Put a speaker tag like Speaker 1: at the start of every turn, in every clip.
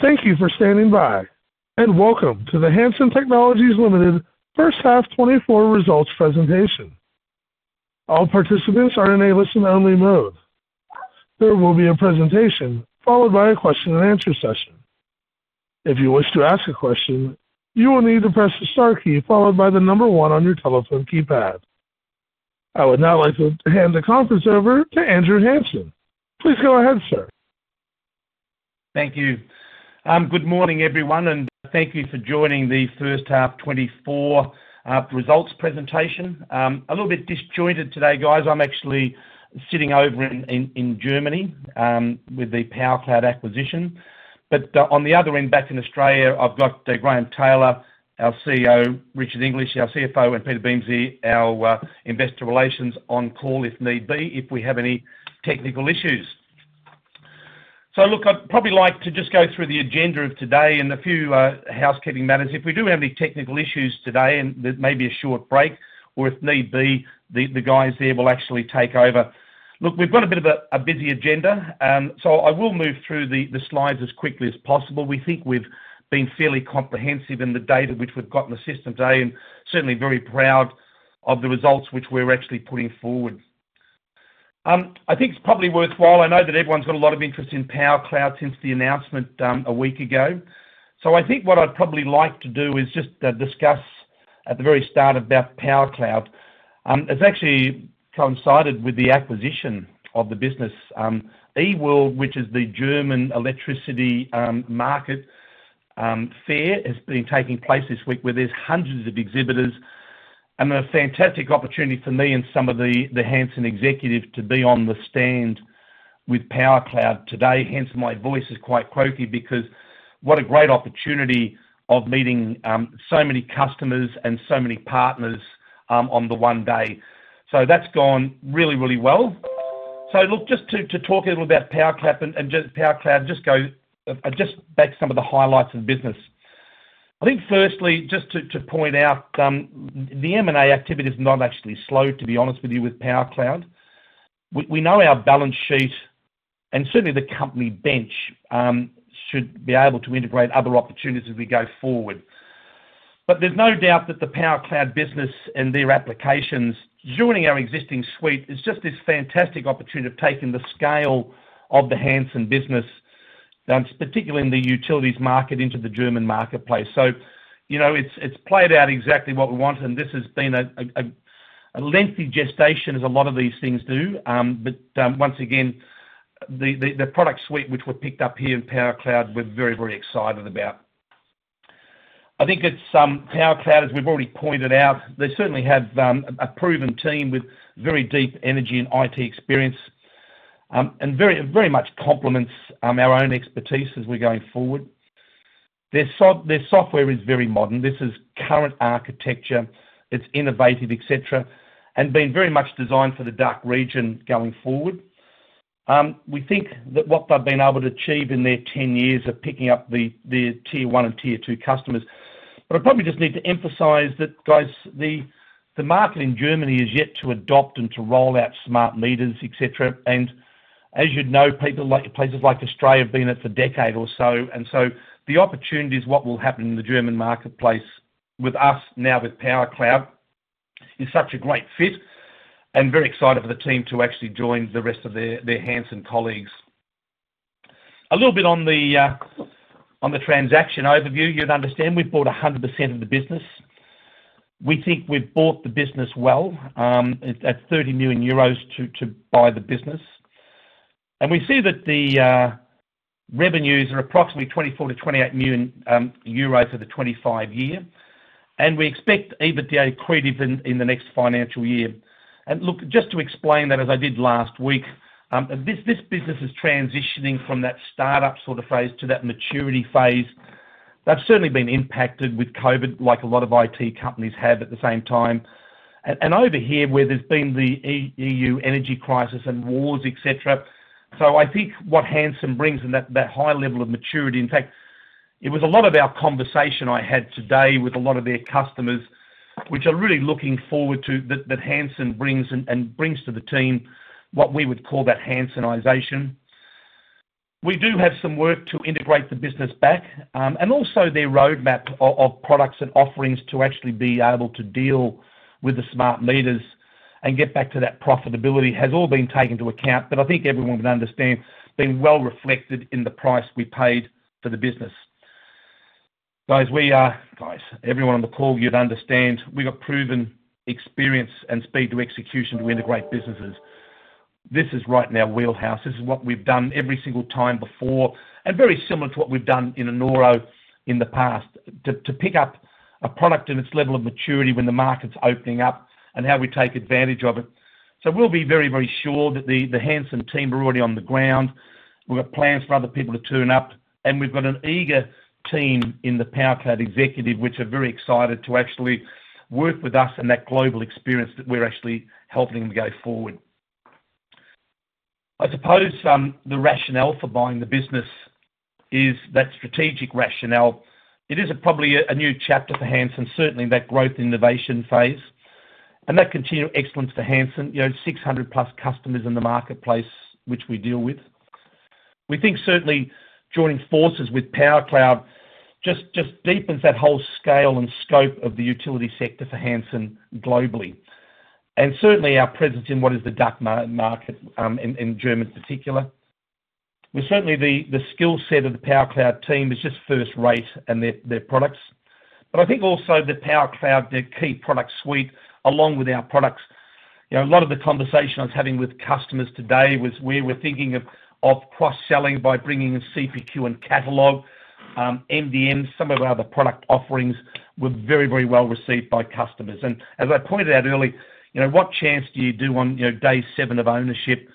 Speaker 1: Thank you for standing by, and welcome to the Hansen Technologies Limited first half 2024 results presentation. All participants are in a listen-only mode. There will be a presentation followed by a question-and-answer session. If you wish to ask a question, you will need to press the star key followed by the number 1 on your telephone keypad. I would now like to hand the conference over to Andrew Hansen. Please go ahead, sir.
Speaker 2: Thank you. Good morning, everyone, and thank you for joining the first half 2024 results presentation. A little bit disjointed today, guys. I'm actually sitting over in Germany with the powercloud acquisition. But on the other end, back in Australia, I've got Graeme Taylor, our CEO; Richard English, our CFO; and Peter Beamsley, our investor relations on call if need be, if we have any technical issues. So look, I'd probably like to just go through the agenda of today and a few housekeeping matters. If we do have any technical issues today, there may be a short break, or if need be, the guys there will actually take over. Look, we've got a bit of a busy agenda, so I will move through the slides as quickly as possible. We think we've been fairly comprehensive in the data which we've got in the system today, and certainly very proud of the results which we're actually putting forward. I think it's probably worthwhile. I know that everyone's got a lot of interest in powercloud since the announcement a week ago. So I think what I'd probably like to do is just discuss at the very start about powercloud. It's actually coincided with the acquisition of the business. E-world, which is the German electricity market fair, has been taking place this week where there's hundreds of exhibitors. And a fantastic opportunity for me and some of the Hansen executives to be on the stand with powercloud today. Hence, my voice is quite quirky because what a great opportunity of meeting so many customers and so many partners on the one day. So that's gone really, really well. So look, just to talk a little about powercloud and just go back to some of the highlights of the business. I think firstly, just to point out, the M&A activity is not actually slow, to be honest with you, with powercloud. We know our balance sheet, and certainly the company bench, should be able to integrate other opportunities as we go forward. But there's no doubt that the powercloud business and their applications joining our existing suite is just this fantastic opportunity of taking the scale of the Hansen business, particularly in the utilities market, into the German marketplace. So it's played out exactly what we wanted, and this has been a lengthy gestation, as a lot of these things do. But once again, the product suite which were picked up here in powercloud, we're very, very excited about. I think it's powercloud, as we've already pointed out, they certainly have a proven team with very deep energy and IT experience and very much complements our own expertise as we're going forward. Their software is very modern. This is current architecture. It's innovative, etc., and been very much designed for the DACH region going forward. We think that what they've been able to achieve in their 10 years of picking up their tier 1 and tier 2 customers. But I probably just need to emphasize that, guys, the market in Germany is yet to adopt and to roll out smart meters, etc. And as you'd know, places like Australia have been at for a decade or so. And so the opportunities, what will happen in the German marketplace with us now with powercloud, is such a great fit. And very excited for the team to actually join the rest of their Hansen colleagues. A little bit on the transaction overview, you'd understand, we've bought 100% of the business. We think we've bought the business well at 30 million euros to buy the business. And we see that the revenues are approximately 24 million-28 million euros for the 2025 year. And we expect EBITDA to create even in the next financial year. And look, just to explain that, as I did last week, this business is transitioning from that startup sort of phase to that maturity phase. They've certainly been impacted with COVID, like a lot of IT companies have at the same time. And over here, where there's been the EU energy crisis and wars, etc., so I think what Hansen brings and that high level of maturity. In fact, it was a lot of our conversation I had today with a lot of their customers, which are really looking forward to that Hansen brings and brings to the team what we would call that Hansenisation. We do have some work to integrate the business back. Also, their roadmap of products and offerings to actually be able to deal with the smart meters and get back to that profitability has all been taken into account. But I think everyone would understand, it's been well reflected in the price we paid for the business. Guys, we are guys, everyone on the call, you'd understand, we've got proven experience and speed to execution to integrate businesses. This is right now wheelhouse. This is what we've done every single time before, and very similar to what we've done in Enoro in the past, to pick up a product and its level of maturity when the market's opening up and how we take advantage of it. So we'll be very, very sure that the Hansen team are already on the ground. We've got plans for other people to tune up. And we've got an eager team in the powercloud executive, which are very excited to actually work with us and that global experience that we're actually helping them go forward. I suppose the rationale for buying the business is that strategic rationale. It is probably a new chapter for Hansen, certainly in that growth innovation phase. And that continued excellence for Hansen, 600+ customers in the marketplace which we deal with. We think certainly joining forces with powercloud just deepens that whole scale and scope of the utility sector for Hansen globally. Certainly, our presence in what is the DACH market in Germany, in particular. Certainly, the skill set of the powercloud team is just first rate and their products. But I think also, the powercloud, their key product suite, along with our products a lot of the conversation I was having with customers today was where we're thinking of cross-selling by bringing in CPQ and catalog, MDMs, some of our other product offerings were very, very well received by customers. And as I pointed out earlier, what chance do you do on day 7 of ownership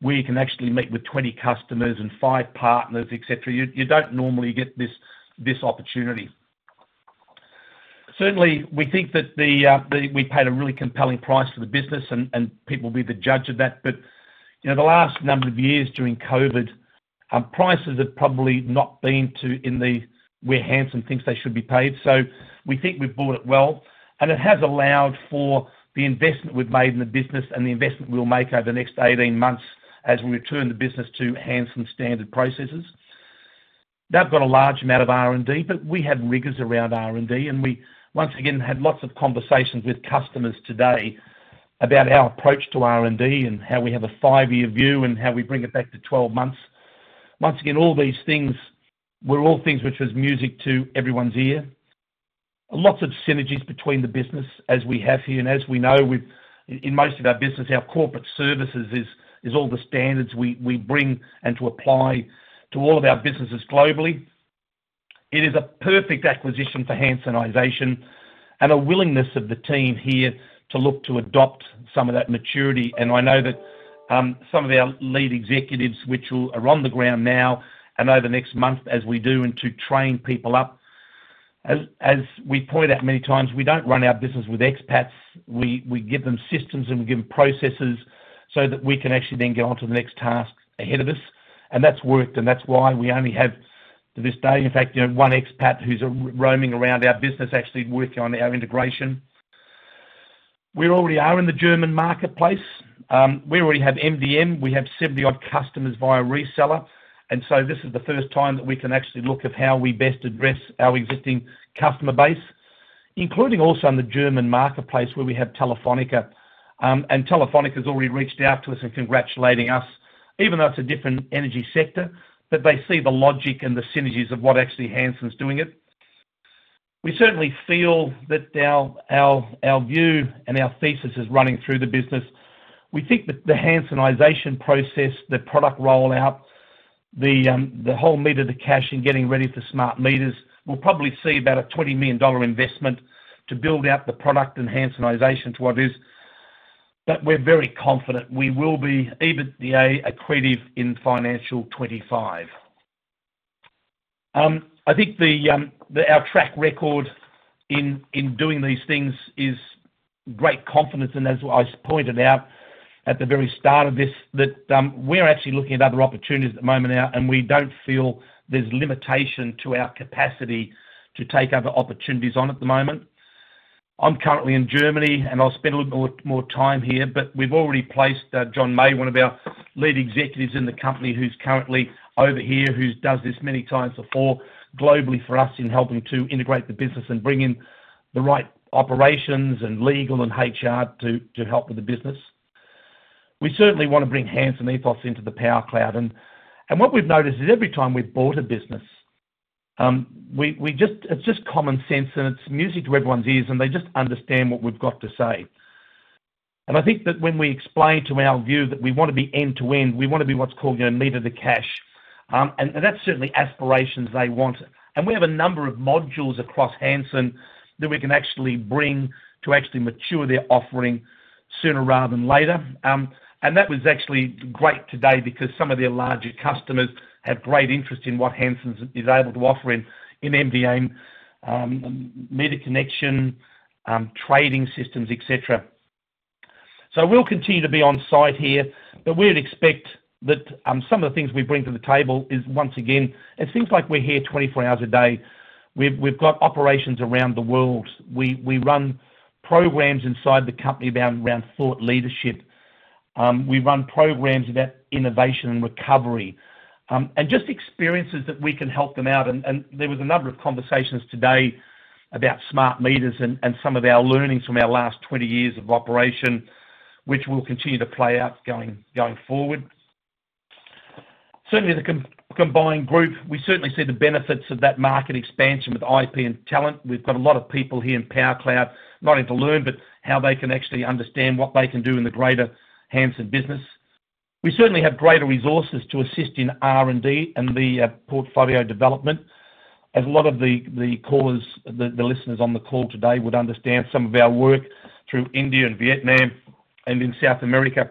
Speaker 2: where you can actually meet with 20 customers and 5 partners, etc.? You don't normally get this opportunity. Certainly, we think that we paid a really compelling price for the business, and people will be the judge of that. But the last number of years during COVID, prices have probably not been to where Hansen thinks they should be paid. So we think we've bought it well. And it has allowed for the investment we've made in the business and the investment we'll make over the next 18 months as we return the business to Hansen standard processes. They've got a large amount of R&D, but we have rigors around R&D. And we, once again, had lots of conversations with customers today about our approach to R&D and how we have a five-year view and how we bring it back to 12 months. Once again, all these things were all things which was music to everyone's ear. Lots of synergies between the business as we have here. As we know, in most of our business, our corporate services is all the standards we bring and to apply to all of our businesses globally. It is a perfect acquisition for Hansenisation and a willingness of the team here to look to adopt some of that maturity. I know that some of our lead executives, which are on the ground now and over the next month as we do, and to train people up. As we point out many times, we don't run our business with expats. We give them systems, and we give them processes so that we can actually then get onto the next task ahead of us. That's worked. That's why we only have to this day, in fact, one expat who's roaming around our business actually working on our integration. We already are in the German marketplace. We already have MDM. We have 70-odd customers via reseller. So this is the first time that we can actually look at how we best address our existing customer base, including also in the German marketplace where we have Telefónica. And Telefónica's already reached out to us and congratulating us, even though it's a different energy sector. But they see the logic and the synergies of what actually Hansen's doing it. We certainly feel that our view and our thesis is running through the business. We think that the Hansenisation process, the product rollout, the whole meter to cash and getting ready for smart meters, we'll probably see about an 20 million dollar investment to build out the product and Hansenisation to what it is. But we're very confident we will be EBITDA accretive in financial 2025. I think our track record in doing these things is great confidence. As I pointed out at the very start of this, that we're actually looking at other opportunities at the moment now, and we don't feel there's limitation to our capacity to take other opportunities on at the moment. I'm currently in Germany, and I'll spend a little bit more time here. But we've already placed John May, one of our lead executives in the company who's currently over here, who's done this many times before globally for us in helping to integrate the business and bring in the right operations and legal and HR to help with the business. We certainly want to bring Hansen ethos into the powercloud. What we've noticed is every time we've bought a business, it's just common sense, and it's music to everyone's ears, and they just understand what we've got to say. I think that when we explain to our view that we want to be end-to-end, we want to be what's called Meter to Cash. And that's certainly aspirations they want. And we have a number of modules across Hansen that we can actually bring to actually mature their offering sooner rather than later. And that was actually great today because some of their larger customers have great interest in what Hansen is able to offer in MDM, meter connection, trading systems, etc. So we'll continue to be on site here. But we would expect that some of the things we bring to the table is, once again, it's things like we're here 24 hours a day. We've got operations around the world. We run programs inside the company around thought leadership. We run programs about innovation and recovery and just experiences that we can help them out. There was a number of conversations today about smart meters and some of our learnings from our last 20 years of operation, which will continue to play out going forward. Certainly, the combined group, we certainly see the benefits of that market expansion with IP and talent. We've got a lot of people here in powercloud not only to learn, but how they can actually understand what they can do in the greater Hansen business. We certainly have greater resources to assist in R&D and the portfolio development. As a lot of the callers, the listeners on the call today would understand, some of our work through India and Vietnam and in South America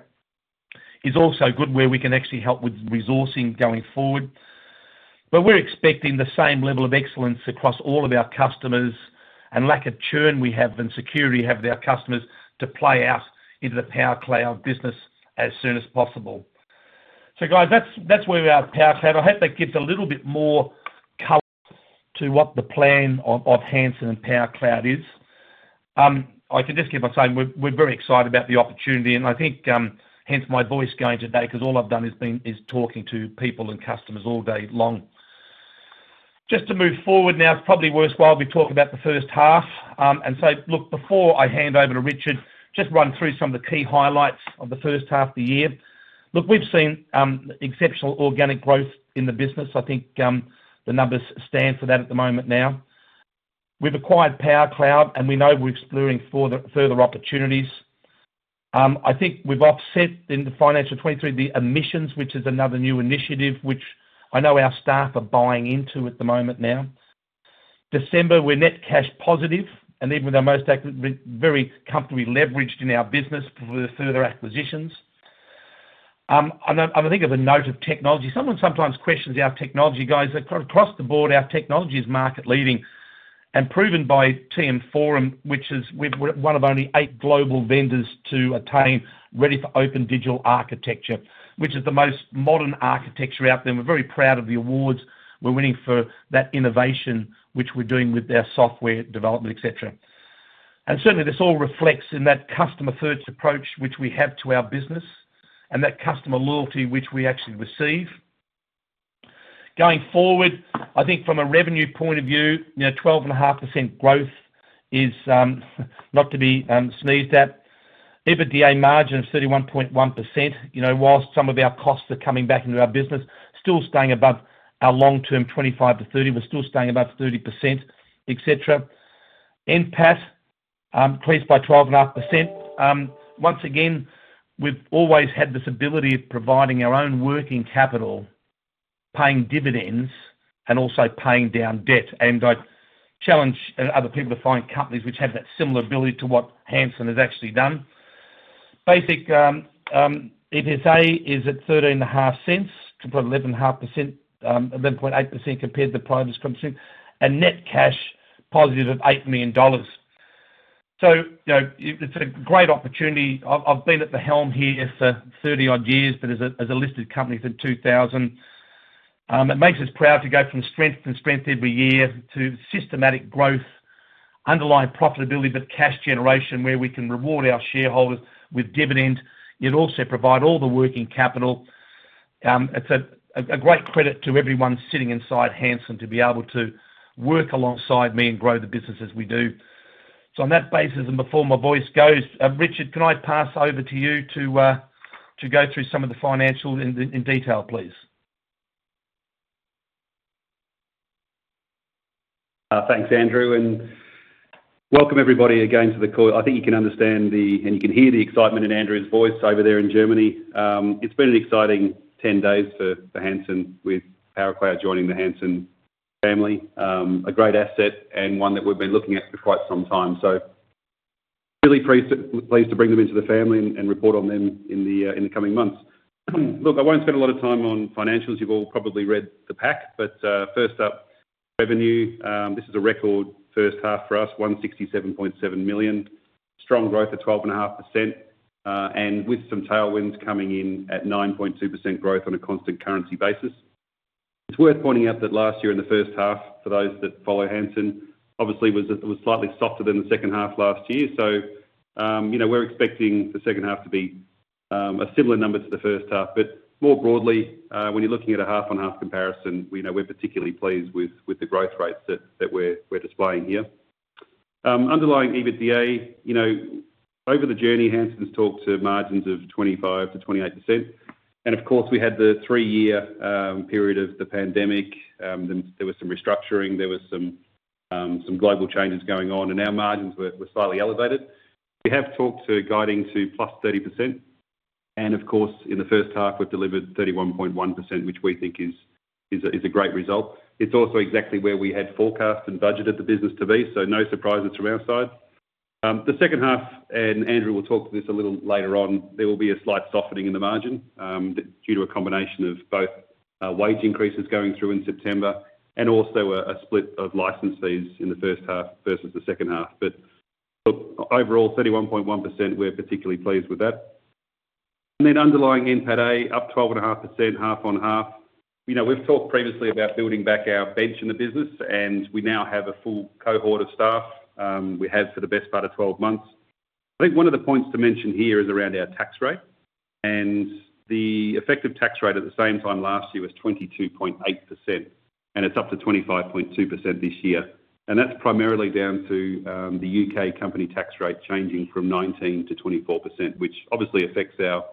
Speaker 2: is also good where we can actually help with resourcing going forward. But we're expecting the same level of excellence across all of our customers and lack of churn we have and security we have with our customers to play out into the powercloud business as soon as possible. So guys, that's where we are at powercloud. I hope that gives a little bit more color to what the plan of Hansen and powercloud is. I can just keep on saying, we're very excited about the opportunity. And I think hence my voice going today because all I've done is been talking to people and customers all day long. Just to move forward now, it's probably worthwhile we talk about the first half. And so look, before I hand over to Richard, just run through some of the key highlights of the first half of the year. Look, we've seen exceptional organic growth in the business. I think the numbers stand for that at the moment now. We've acquired powercloud, and we know we're exploring further opportunities. I think we've offset in the financial 2023 the emissions, which is another new initiative which I know our staff are buying into at the moment now. December, we're net cash positive. And even though most very comfortably leveraged in our business for further acquisitions. I'm going to think of a note of technology. Someone sometimes questions our technology, guys. Across the board, our technology is market leading and proven by TM Forum, which is we're one of only 8 global vendors to attain Ready for Open Digital Architecture, which is the most modern architecture out there. And we're very proud of the awards we're winning for that innovation which we're doing with their software development, etc. Certainly, this all reflects in that customer-first approach which we have to our business and that customer loyalty which we actually receive. Going forward, I think from a revenue point of view, 12.5% growth is not to be sneezed at. EBITDA margin of 31.1% while some of our costs are coming back into our business, still staying above our long-term 25%-30%. We're still staying above 30%, etc. NPAT increased by 12.5%. Once again, we've always had this ability of providing our own working capital, paying dividends, and also paying down debt. And I challenge other people to find companies which have that similar ability to what Hansen has actually done. Basic EPS is at 0.135, up 11.8% compared to the prior discussion. And net cash positive of 8 million dollars. It's a great opportunity. I've been at the helm here for 30-odd years, but as a listed company since 2000. It makes us proud to go from strength and strength every year to systematic growth, underlying profitability but cash generation where we can reward our shareholders with dividend. Yet also provide all the working capital. It's a great credit to everyone sitting inside Hansen to be able to work alongside me and grow the business as we do. So on that basis, and before my voice goes, Richard, can I pass over to you to go through some of the financials in detail, please?
Speaker 3: Thanks, Andrew. And welcome, everybody, again to the call. I think you can understand the and you can hear the excitement in Andrew's voice over there in Germany. It's been an exciting 10 days for Hansen with powercloud joining the Hansen family, a great asset and one that we've been looking at for quite some time. So really pleased to bring them into the family and report on them in the coming months. Look, I won't spend a lot of time on financials. You've all probably read the pack. But first up, revenue. This is a record first half for us, 167.7 million, strong growth of 12.5% and with some tailwinds coming in at 9.2% growth on a constant currency basis. It's worth pointing out that last year in the first half, for those that follow Hansen, obviously, was slightly softer than the second half last year. So we're expecting the second half to be a similar number to the first half. But more broadly, when you're looking at a half-on-half comparison, we're particularly pleased with the growth rates that we're displaying here. Underlying EBITDA, over the journey, Hansen's talked to margins of 25%-28%. And of course, we had the 3-year period of the pandemic. There was some restructuring. There were some global changes going on. And our margins were slightly elevated. We have talked to guiding to +30%. And of course, in the first half, we've delivered 31.1%, which we think is a great result. It's also exactly where we had forecast and budgeted the business to be. So no surprises from our side. The second half, and Andrew will talk to this a little later on, there will be a slight softening in the margin due to a combination of both wage increases going through in September and also a split of license fees in the first half versus the second half. But look, overall, 31.1%, we're particularly pleased with that. And then underlying NPATA, up 12.5%, half-on-half. We've talked previously about building back our bench in the business, and we now have a full cohort of staff we have for the best part of 12 months. I think one of the points to mention here is around our tax rate. And the effective tax rate at the same time last year was 22.8%. And it's up to 25.2% this year. And that's primarily down to the UK company tax rate changing from 19%-24%, which obviously affects our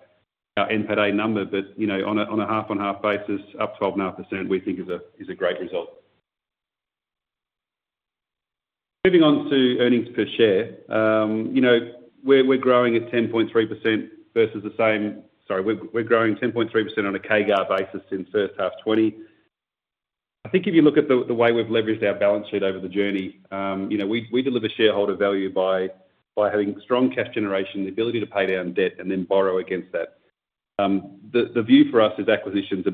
Speaker 3: NPATA number. But on a half-on-half basis, up 12.5%, we think is a great result. Moving on to earnings per share, we're growing at 10.3% versus the same sorry, we're growing 10.3% on a CAGR basis since first half 2020. I think if you look at the way we've leveraged our balance sheet over the journey, we deliver shareholder value by having strong cash generation, the ability to pay down debt, and then borrow against that. The view for us is acquisitions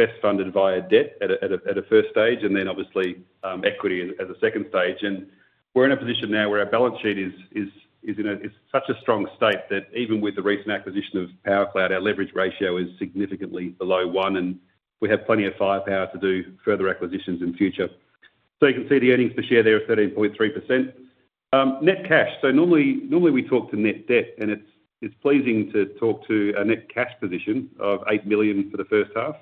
Speaker 3: are best funded via debt at a first stage and then obviously equity as a second stage. And we're in a position now where our balance sheet is in such a strong state that even with the recent acquisition of powercloud, our leverage ratio is significantly below 1. And we have plenty of firepower to do further acquisitions in future. So you can see the earnings per share there are 13.3%. Net cash. So normally, we talk to net debt. And it's pleasing to talk to a net cash position of 8 million for the first half.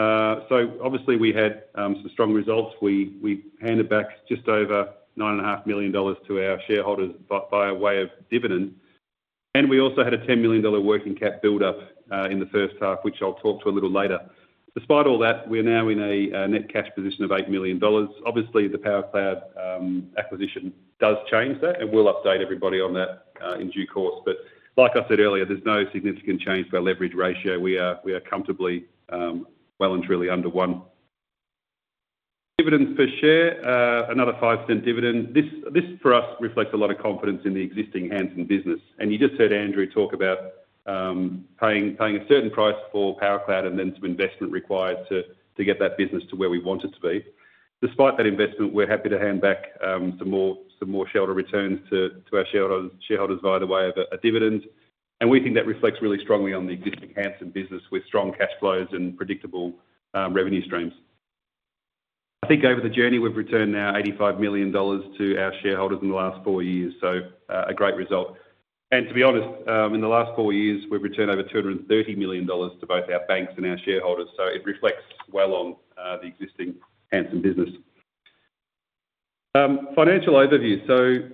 Speaker 3: So obviously, we had some strong results. We handed back just over 9.5 million dollars to our shareholders via way of dividend. And we also had a 10 million dollar working cap buildup in the first half, which I'll talk to a little later. Despite all that, we're now in a net cash position of 8 million dollars. Obviously, the powercloud acquisition does change that, and we'll update everybody on that in due course. But like I said earlier, there's no significant change to our leverage ratio. We are comfortably well and truly under 1. Dividends per share, another 0.05 dividend. This for us reflects a lot of confidence in the existing Hansen business. You just heard Andrew talk about paying a certain price for powercloud and then some investment required to get that business to where we want it to be. Despite that investment, we're happy to hand back some more shareholder returns to our shareholders by way of a dividend. We think that reflects really strongly on the existing Hansen business with strong cash flows and predictable revenue streams. I think over the journey, we've returned now 85 million dollars to our shareholders in the last four years. So a great result. To be honest, in the last four years, we've returned over 230 million dollars to both our banks and our shareholders. So it reflects well on the existing Hansen business. Financial overview.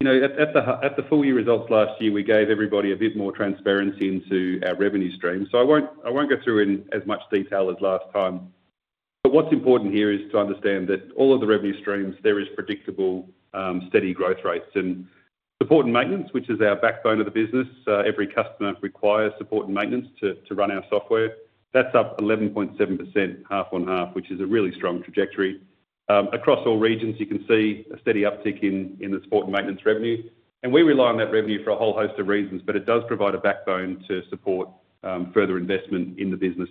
Speaker 3: At the full year results last year, we gave everybody a bit more transparency into our revenue streams. So, I won't go through in as much detail as last time. But what's important here is to understand that all of the revenue streams, there is predictable, steady growth rates and support and maintenance, which is our backbone of the business. Every customer requires support and maintenance to run our software. That's up 11.7% half-on-half, which is a really strong trajectory. Across all regions, you can see a steady uptick in the support and maintenance revenue. And we rely on that revenue for a whole host of reasons. But it does provide a backbone to support further investment in the business.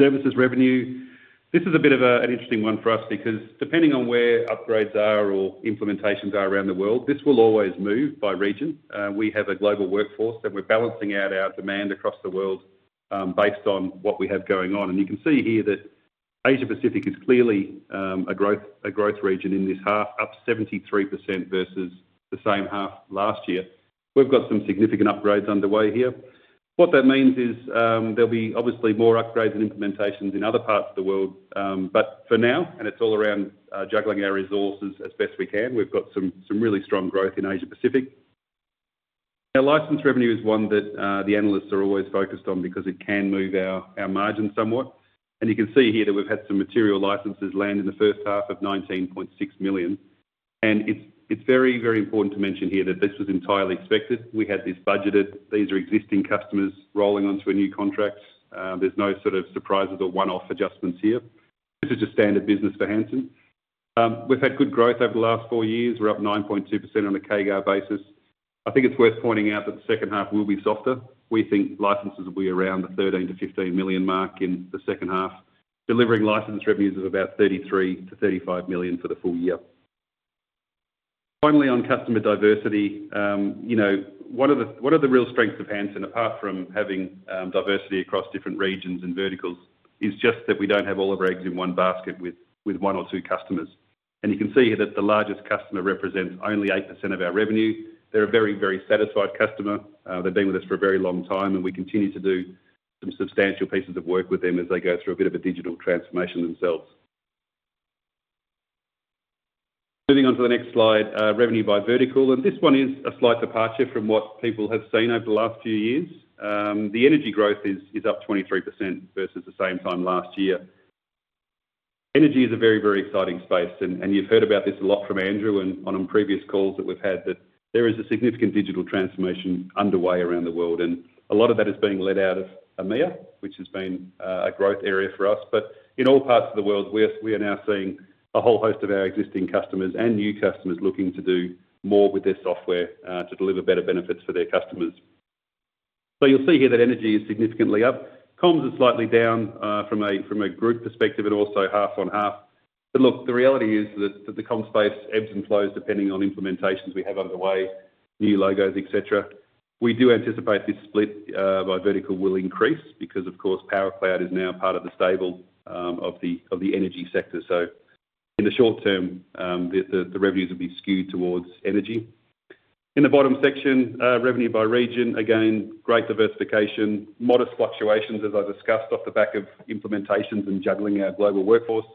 Speaker 3: Services revenue, this is a bit of an interesting one for us because depending on where upgrades are or implementations are around the world, this will always move by region. We have a global workforce, and we're balancing out our demand across the world based on what we have going on. You can see here that Asia-Pacific is clearly a growth region in this half, up 73% versus the same half last year. We've got some significant upgrades underway here. What that means is there'll be obviously more upgrades and implementations in other parts of the world. But for now, and it's all around juggling our resources as best we can, we've got some really strong growth in Asia-Pacific. Our license revenue is one that the analysts are always focused on because it can move our margin somewhat. You can see here that we've had some material licenses land in the first half, of 19.6 million. It's very, very important to mention here that this was entirely expected. We had this budgeted. These are existing customers rolling onto a new contract. There's no sort of surprises or one-off adjustments here. This is just standard business for Hansen. We've had good growth over the last 4 years. We're up 9.2% on a CAGR basis. I think it's worth pointing out that the second half will be softer. We think licenses will be around the 13 million-15 million mark in the second half, delivering license revenues of about 33 million-35 million for the full year. Finally, on customer diversity, one of the real strengths of Hansen, apart from having diversity across different regions and verticals, is just that we don't have all of our eggs in one basket with one or two customers. And you can see here that the largest customer represents only 8% of our revenue. They're a very, very satisfied customer. They've been with us for a very long time. We continue to do some substantial pieces of work with them as they go through a bit of a digital transformation themselves. Moving on to the next slide, revenue by vertical. This one is a slight departure from what people have seen over the last few years. The energy growth is up 23% versus the same time last year. Energy is a very, very exciting space. You've heard about this a lot from Andrew on previous calls that we've had, that there is a significant digital transformation underway around the world. A lot of that is being led out of EMEA, which has been a growth area for us. But in all parts of the world, we are now seeing a whole host of our existing customers and new customers looking to do more with their software to deliver better benefits for their customers. So you'll see here that energy is significantly up. Comms is slightly down from a group perspective. It's also half-on-half. But look, the reality is that the comm space ebbs and flows depending on implementations we have underway, new logos, etc. We do anticipate this split by vertical will increase because, of course, powercloud is now part of the stable of the energy sector. So in the short term, the revenues will be skewed towards energy. In the bottom section, revenue by region, again, great diversification, modest fluctuations, as I discussed, off the back of implementations and juggling our global workforce.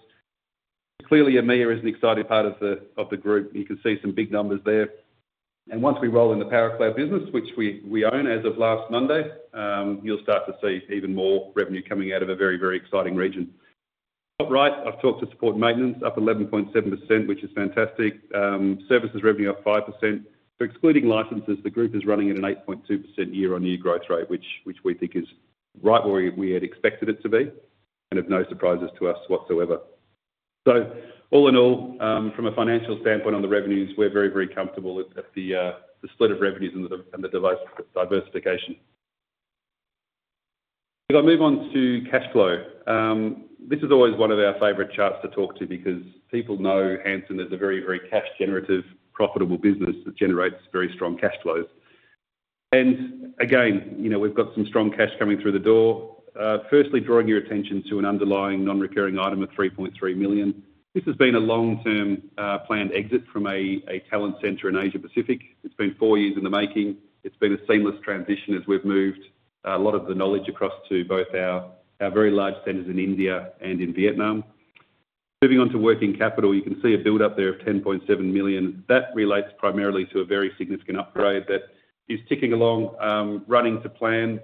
Speaker 3: Clearly, EMEA is an excited part of the group. You can see some big numbers there. Once we roll in the powercloud business, which we own as of last Monday, you'll start to see even more revenue coming out of a very, very exciting region. Top right, I've talked to support and maintenance, up 11.7%, which is fantastic. Services revenue up 5%. Excluding licenses, the group is running at an 8.2% year-on-year growth rate, which we think is right where we had expected it to be and of no surprises to us whatsoever. All in all, from a financial standpoint on the revenues, we're very, very comfortable at the split of revenues and the diversification. If I move on to cash flow, this is always one of our favorite charts to talk to because people know Hansen is a very, very cash-generative, profitable business that generates very strong cash flows. Again, we've got some strong cash coming through the door, firstly drawing your attention to an underlying non-recurring item of 3.3 million. This has been a long-term planned exit from a talent center in Asia-Pacific. It's been four years in the making. It's been a seamless transition as we've moved a lot of the knowledge across to both our very large centers in India and in Vietnam. Moving on to working capital, you can see a buildup there of 10.7 million. That relates primarily to a very significant upgrade that is ticking along, running to plan.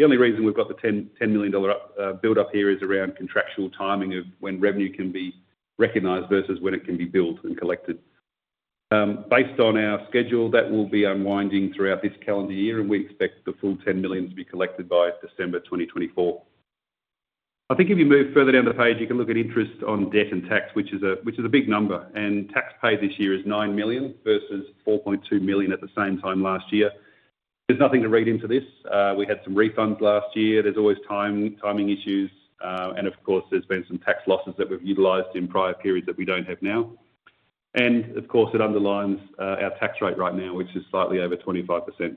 Speaker 3: The only reason we've got the 10 million dollar buildup here is around contractual timing of when revenue can be recognized versus when it can be billed and collected. Based on our schedule, that will be unwinding throughout this calendar year. We expect the full 10 million to be collected by December 2024. I think if you move further down the page, you can look at interest on debt and tax, which is a big number. Tax paid this year is 9 million versus 4.2 million at the same time last year. There's nothing to read into this. We had some refunds last year. There's always timing issues. Of course, there's been some tax losses that we've utilized in prior periods that we don't have now. Of course, it underlines our tax rate right now, which is slightly over 25%.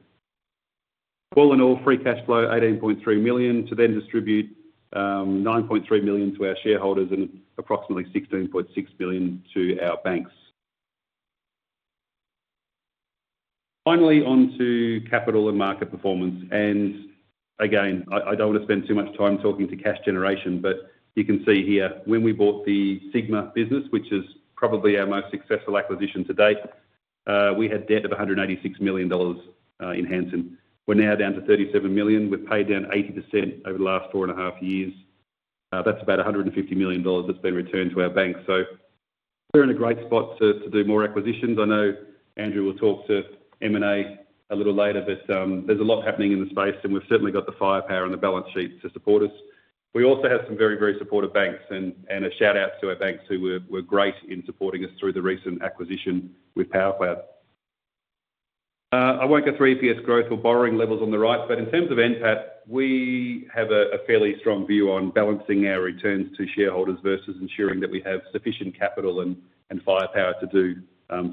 Speaker 3: All in all, free cash flow, 18.3 million to then distribute 9.3 million to our shareholders and approximately 16.6 million to our banks. Finally, onto capital and market performance. Again, I don't want to spend too much time talking to cash generation. But you can see here, when we bought the Sigma business, which is probably our most successful acquisition to date, we had debt of 186 million dollars in Hansen. We're now down to 37 million. We've paid down 80% over the last 4.5 years. That's about 150 million dollars that's been returned to our bank. So we're in a great spot to do more acquisitions. I know Andrew will talk to M&A a little later. But there's a lot happening in the space. And we've certainly got the firepower and the balance sheet to support us. We also have some very, very supportive banks. And a shout-out to our banks who were great in supporting us through the recent acquisition with powercloud. I won't go through EPS growth or borrowing levels on the right. But in terms of NPAT, we have a fairly strong view on balancing our returns to shareholders versus ensuring that we have sufficient capital and firepower to do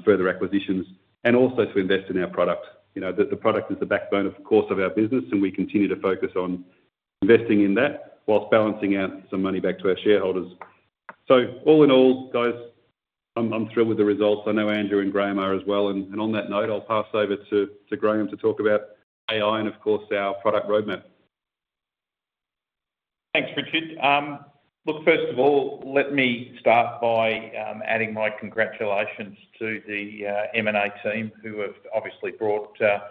Speaker 3: further acquisitions and also to invest in our product. The product is the backbone, of course, of our business. And we continue to focus on investing in that while balancing out some money back to our shareholders. So all in all, guys, I'm thrilled with the results. I know Andrew and Graeme are as well. And on that note, I'll pass over to Graeme to talk about AI and, of course, our product roadmap.
Speaker 4: Thanks, Richard. Look, first of all, let me start by adding my congratulations to the M&A team who have obviously brought a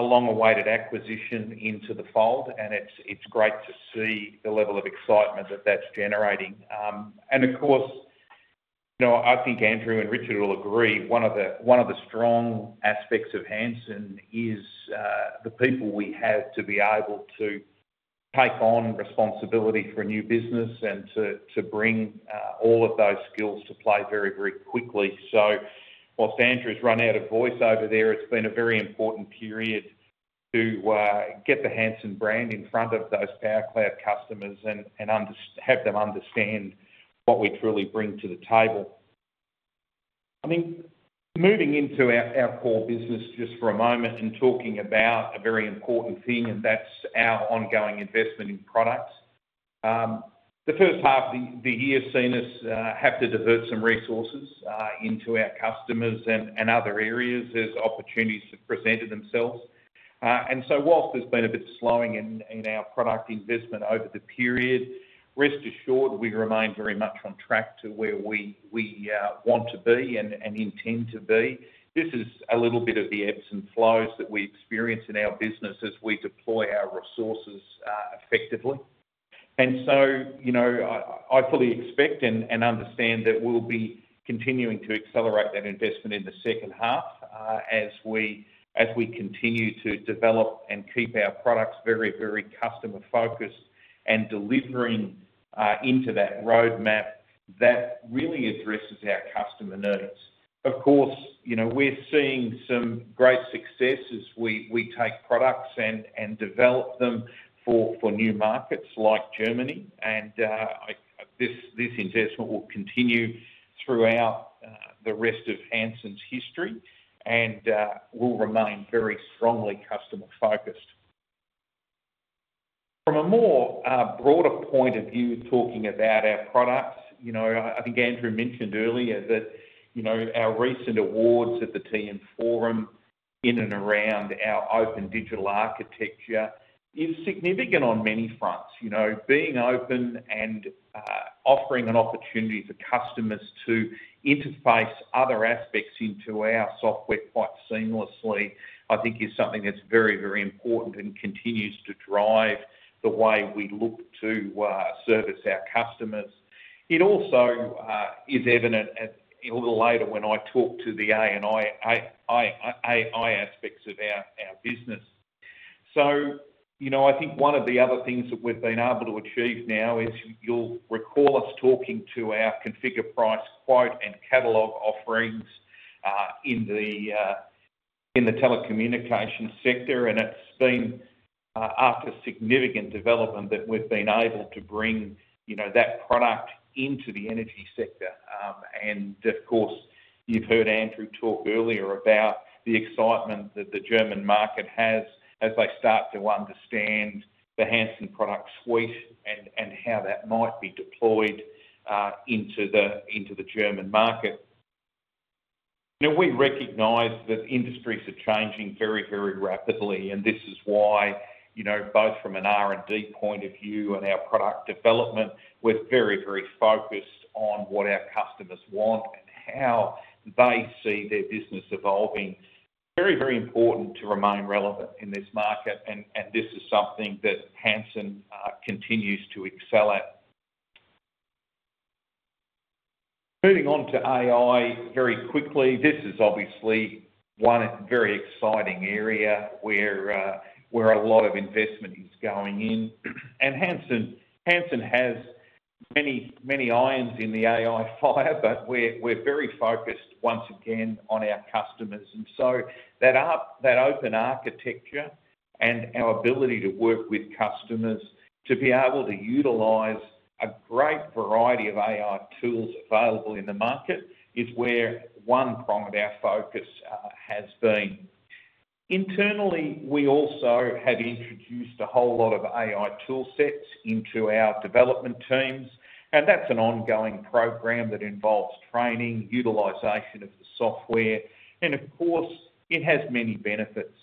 Speaker 4: long-awaited acquisition into the fold. And it's great to see the level of excitement that that's generating. Of course, I think Andrew and Richard will agree, one of the strong aspects of Hansen is the people we have to be able to take on responsibility for a new business and to bring all of those skills to play very, very quickly. So while Andrew's run out of voice over there, it's been a very important period to get the Hansen brand in front of those powercloud customers and have them understand what we truly bring to the table. I mean, moving into our core business just for a moment and talking about a very important thing, and that's our ongoing investment in products. The first half of the year has seen us have to divert some resources into our customers and other areas as opportunities have presented themselves. And so while there's been a bit of slowing in our product investment over the period, rest assured, we remain very much on track to where we want to be and intend to be. This is a little bit of the ebbs and flows that we experience in our business as we deploy our resources effectively. And so I fully expect and understand that we'll be continuing to accelerate that investment in the second half as we continue to develop and keep our products very, very customer-focused and delivering into that roadmap that really addresses our customer needs. Of course, we're seeing some great success as we take products and develop them for new markets like Germany. And this investment will continue throughout the rest of Hansen's history and will remain very strongly customer-focused. From a more broader point of view, talking about our products, I think Andrew mentioned earlier that our recent awards at the TM Forum in and around our Open Digital Architecture is significant on many fronts. Being open and offering an opportunity for customers to interface other aspects into our software quite seamlessly, I think, is something that's very, very important and continues to drive the way we look to service our customers. It also is evident a little later when I talk to the A&I aspects of our business. So I think one of the other things that we've been able to achieve now is, you'll recall us talking to our configure price quote and catalogue offerings in the telecommunications sector. It's been after significant development that we've been able to bring that product into the energy sector. And of course, you've heard Andrew talk earlier about the excitement that the German market has as they start to understand the Hansen product suite and how that might be deployed into the German market. We recognize that industries are changing very, very rapidly. And this is why, both from an R&D point of view and our product development, we're very, very focused on what our customers want and how they see their business evolving. Very, very important to remain relevant in this market. And this is something that Hansen continues to excel at. Moving on to AI very quickly, this is obviously one very exciting area where a lot of investment is going in. And Hansen has many, many irons in the AI fire. But we're very focused, once again, on our customers. That open architecture and our ability to work with customers, to be able to utilize a great variety of AI tools available in the market, is where one prong of our focus has been. Internally, we also have introduced a whole lot of AI tool sets into our development teams. That's an ongoing program that involves training, utilization of the software. Of course, it has many benefits.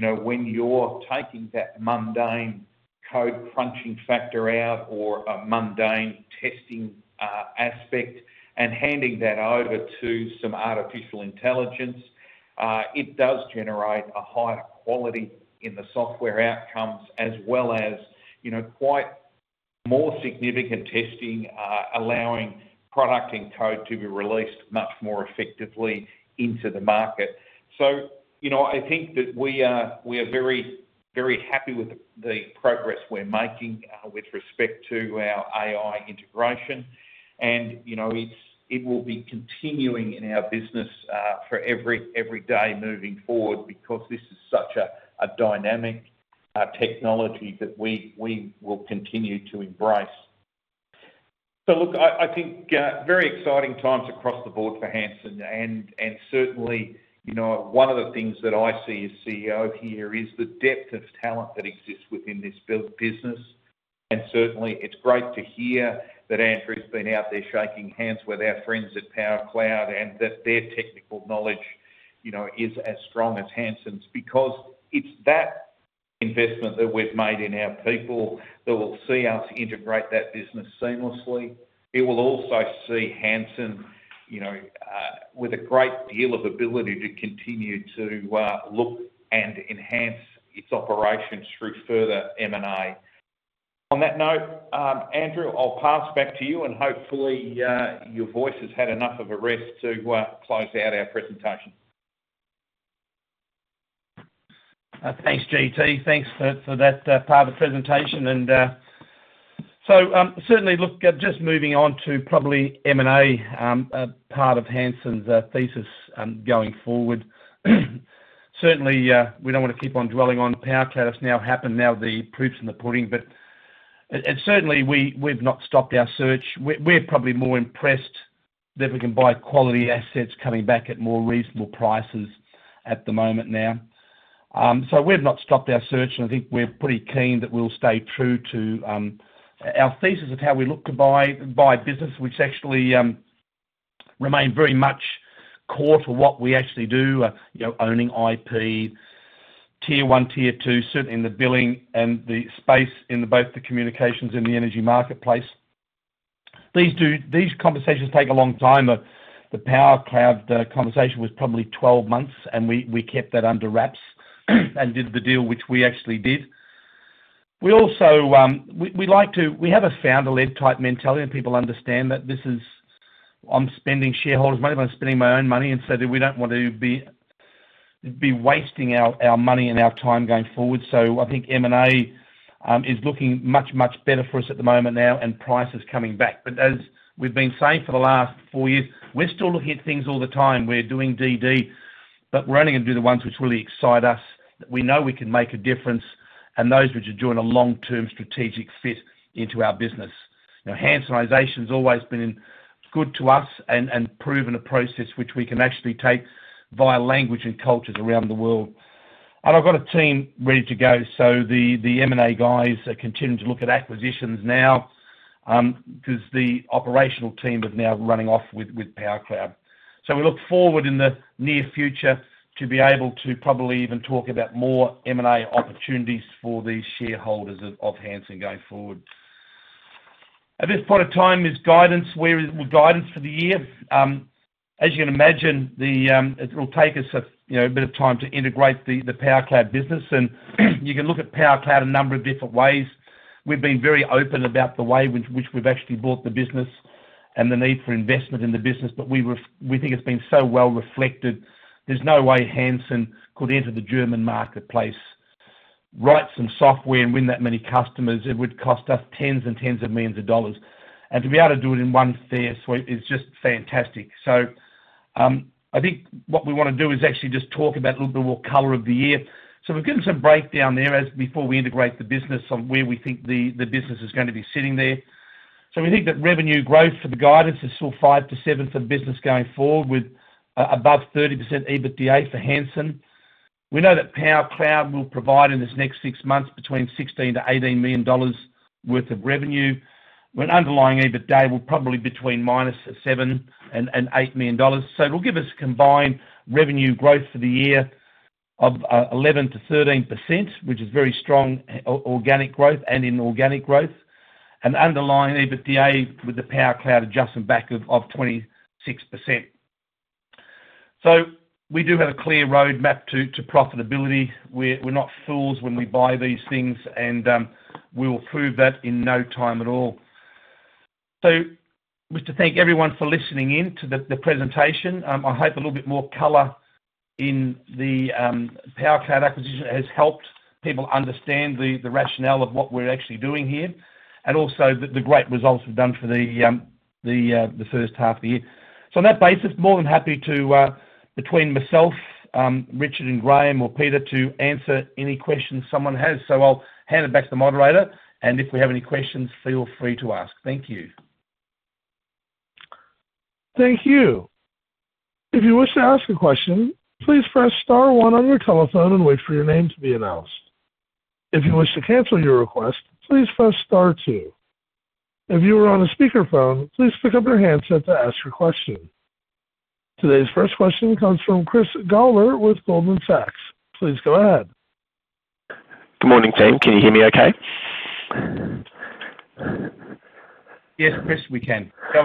Speaker 4: When you're taking that mundane code-crunching factor out or a mundane testing aspect and handing that over to some artificial intelligence, it does generate a higher quality in the software outcomes as well as quite more significant testing, allowing product and code to be released much more effectively into the market. I think that we are very, very happy with the progress we're making with respect to our AI integration. And it will be continuing in our business for every day moving forward because this is such a dynamic technology that we will continue to embrace. So look, I think very exciting times across the board for Hansen. And certainly, one of the things that I see as CEO here is the depth of talent that exists within this business. And certainly, it's great to hear that Andrew's been out there shaking hands with our friends at powercloud and that their technical knowledge is as strong as Hansen's because it's that investment that we've made in our people that will see us integrate that business seamlessly. It will also see Hansen with a great deal of ability to continue to look and enhance its operations through further M&A. On that note, Andrew, I'll pass back to you. Hopefully, your voice has had enough of a rest to close out our presentation.
Speaker 2: Thanks, GT. Thanks for that part of the presentation. So certainly, look, just moving on to probably M&A, a part of Hansen's thesis going forward, certainly, we don't want to keep on dwelling on powercloud. It's now happened, now the proof's in the pudding. But certainly, we've not stopped our search. We're probably more impressed that we can buy quality assets coming back at more reasonable prices at the moment now. So we've not stopped our search. And I think we're pretty keen that we'll stay true to our thesis of how we look to buy business, which actually remains very much caught to what we actually do, owning IP, tier one, tier two, certainly in the billing and the space in both the communications and the energy marketplace. These conversations take a long time. The powercloud conversation was probably 12 months. And we kept that under wraps and did the deal, which we actually did. We like to we have a founder-led type mentality. And people understand that this is I'm spending shareholders' money. I'm spending my own money. And so we don't want to be wasting our money and our time going forward. So I think M&A is looking much, much better for us at the moment now and prices coming back. But as we've been saying for the last four years, we're still looking at things all the time. We're doing DD. But we're only going to do the ones which really excite us, that we know we can make a difference, and those which are doing a long-term strategic fit into our business. Hansenisation's always been good to us and proven a process which we can actually take via language and cultures around the world. I've got a team ready to go. So the M&A guys are continuing to look at acquisitions now because the operational team is now running off with powercloud. So we look forward in the near future to be able to probably even talk about more M&A opportunities for the shareholders of Hansen going forward. At this point of time, is guidance for the year? As you can imagine, it'll take us a bit of time to integrate the powercloud business. And you can look at powercloud a number of different ways. We've been very open about the way in which we've actually bought the business and the need for investment in the business. But we think it's been so well reflected, there's no way Hansen could enter the German marketplace, write some software, and win that many customers. It would cost us tens and tens of millions of AUD. To be able to do it in one Hansen Suite is just fantastic. So I think what we want to do is actually just talk about a little bit more color of the year. So we've given some breakdown there before we integrate the business on where we think the business is going to be sitting there. So we think that revenue growth for the guidance is still 5%-7% for the business going forward with above 30% EBITDA for Hansen. We know that powercloud will provide in this next six months between 16 million-18 million dollars worth of revenue. When underlying EBITDA will probably be between -7 million and -8 million dollars. So it'll give us combined revenue growth for the year of 11%-13%, which is very strong organic growth and inorganic growth, and underlying EBITDA with the powercloud adjustment back of 26%. So we do have a clear roadmap to profitability. We're not fools when we buy these things. And we will prove that in no time at all. So just to thank everyone for listening in to the presentation. I hope a little bit more color in the powercloud acquisition has helped people understand the rationale of what we're actually doing here and also the great results we've done for the first half of the year. So on that basis, more than happy to, between myself, Richard and Graeme, or Peter to answer any questions someone has. So I'll hand it back to the moderator. And if we have any questions, feel free to ask. Thank you.
Speaker 1: Thank you. If you wish to ask a question, please press star one on your telephone and wait for your name to be announced. If you wish to cancel your request, please press star two. If you are on a speakerphone, please pick up your handset to ask your question. Today's first question comes from Chris Gawler with Goldman Sachs. Please go ahead.
Speaker 5: Good morning, team. Can you hear me okay?
Speaker 2: Yes, Chris. We can. Go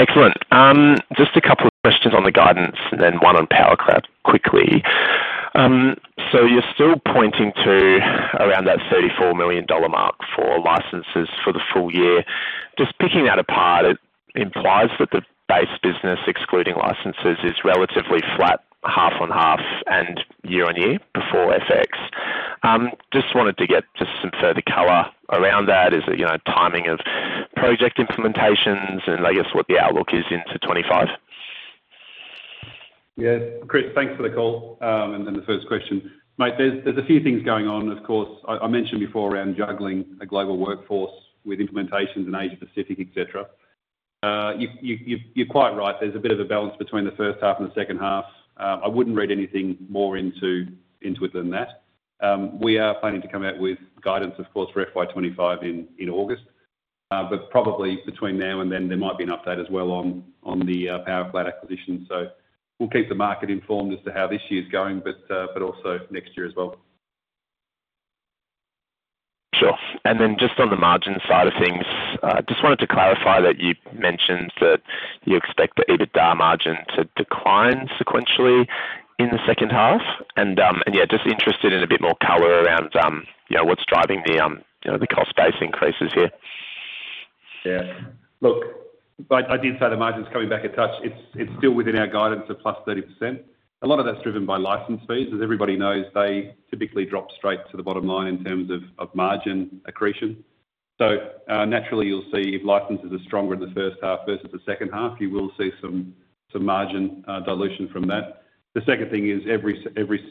Speaker 2: ahead, mate.
Speaker 5: Excellent. Just a couple of questions on the guidance and then one on powercloud quickly. So you're still pointing to around that 34 million dollar mark for licenses for the full year. Just picking that apart, it implies that the base business, excluding licenses, is relatively flat half-on-half and year-on-year before FX. Just wanted to get just some further color around that. Is it timing of project implementations and, I guess, what the outlook is into 2025?
Speaker 3: Yeah. Chris, thanks for the call and then the first question. Mate, there's a few things going on. Of course, I mentioned before around juggling a global workforce with implementations in Asia-Pacific, etc. You're quite right. There's a bit of a balance between the first half and the second half. I wouldn't read anything more into it than that. We are planning to come out with guidance, of course, for FY 2025 in August. But probably between now and then, there might be an update as well on the powercloud acquisition. So we'll keep the market informed as to how this year's going but also next year as well.
Speaker 5: Sure. And then just on the margin side of things, I just wanted to clarify that you mentioned that you expect the EBITDA margin to decline sequentially in the second half. And yeah, just interested in a bit more color around what's driving the cost base increases here.
Speaker 3: Yeah. Look, I did say the margin's coming back a touch. It's still within our guidance of +30%. A lot of that's driven by license fees. As everybody knows, they typically drop straight to the bottom line in terms of margin accretion. So naturally, you'll see if licenses are stronger in the first half versus the second half, you will see some margin dilution from that. The second thing is every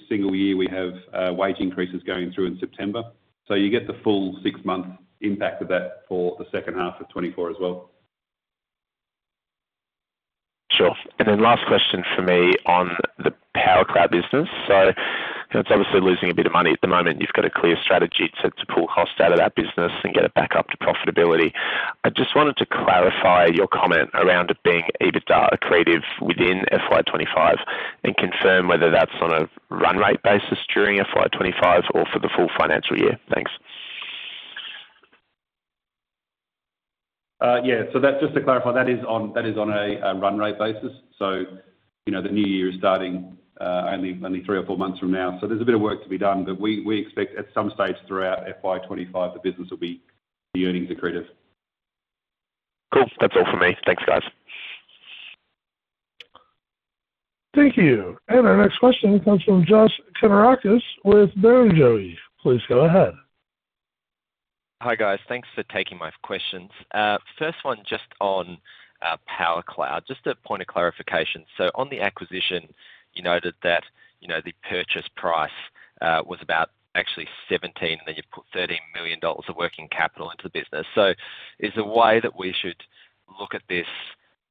Speaker 3: single year, we have wage increases going through in September. So you get the full six-month impact of that for the second half of 2024 as well.
Speaker 5: Sure. And then last question for me on the powercloud business. So it's obviously losing a bit of money at the moment. You've got a clear strategy set to pull costs out of that business and get it back up to profitability. I just wanted to clarify your comment around it being EBITDA accretive within FY 2025 and confirm whether that's on a run-rate basis during FY 2025 or for the full financial year. Thanks.
Speaker 3: Yeah. So just to clarify, that is on a run-rate basis. So the new year is starting only three or four months from now. So there's a bit of work to be done. But we expect at some stage throughout FY 2025, the business will be earnings accretive.
Speaker 5: Cool. That's all for me. Thanks, guys.
Speaker 1: Thank you. Our next question comes from Josh Kannourakis with Jarden. Please go ahead.
Speaker 6: Hi, guys. Thanks for taking my questions. First one just on powercloud. Just a point of clarification. So on the acquisition, you noted that the purchase price was about actually $17 and then you put $13 million of working capital into the business. So is there a way that we should look at this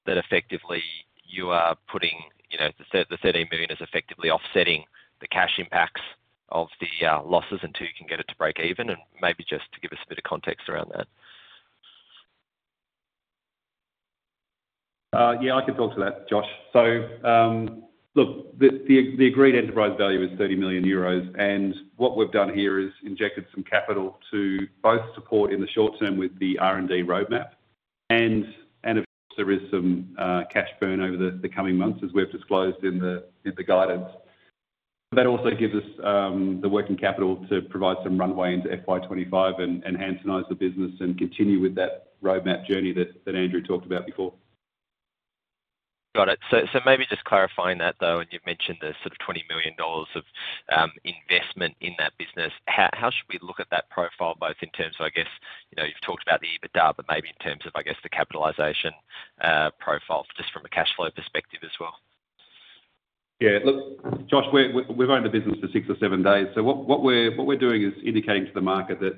Speaker 6: that effectively you are putting the 13 million is effectively offsetting the cash impacts of the losses and too, you can get it to break even? And maybe just to give us a bit of context around that.
Speaker 3: Yeah. I could talk to that, Josh. So look, the agreed enterprise value is 30 million euros. And what we've done here is injected some capital to both support in the short term with the R&D roadmap. And of course, there is some cash burn over the coming months as we've disclosed in the guidance. But that also gives us the working capital to provide some runway into FY 2025 and Hansenisation the business and continue with that roadmap journey that Andrew talked about before.
Speaker 6: Got it. So maybe just clarifying that, though, and you've mentioned the sort of 20 million dollars of investment in that business, how should we look at that profile both in terms of, I guess you've talked about the EBITDA but maybe in terms of, I guess, the capitalization profile just from a cash flow perspective as well?
Speaker 3: Yeah. Look, Josh, we've owned the business for 6 or 7 days. So what we're doing is indicating to the market that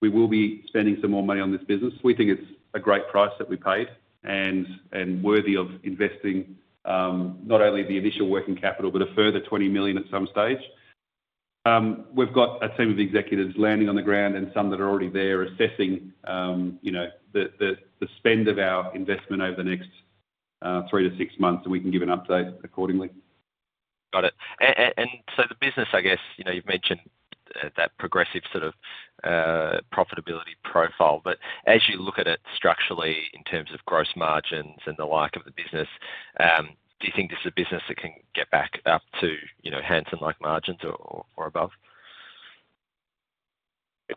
Speaker 3: we will be spending some more money on this business. We think it's a great price that we paid and worthy of investing not only the initial working capital but a further 20 million at some stage. We've got a team of executives landing on the ground and some that are already there assessing the spend of our investment over the next 3-6 months. We can give an update accordingly.
Speaker 6: Got it. And so the business, I guess you've mentioned that progressive sort of profitability profile. But as you look at it structurally in terms of gross margins and the like of the business, do you think this is a business that can get back up to Hansen-like margins or above?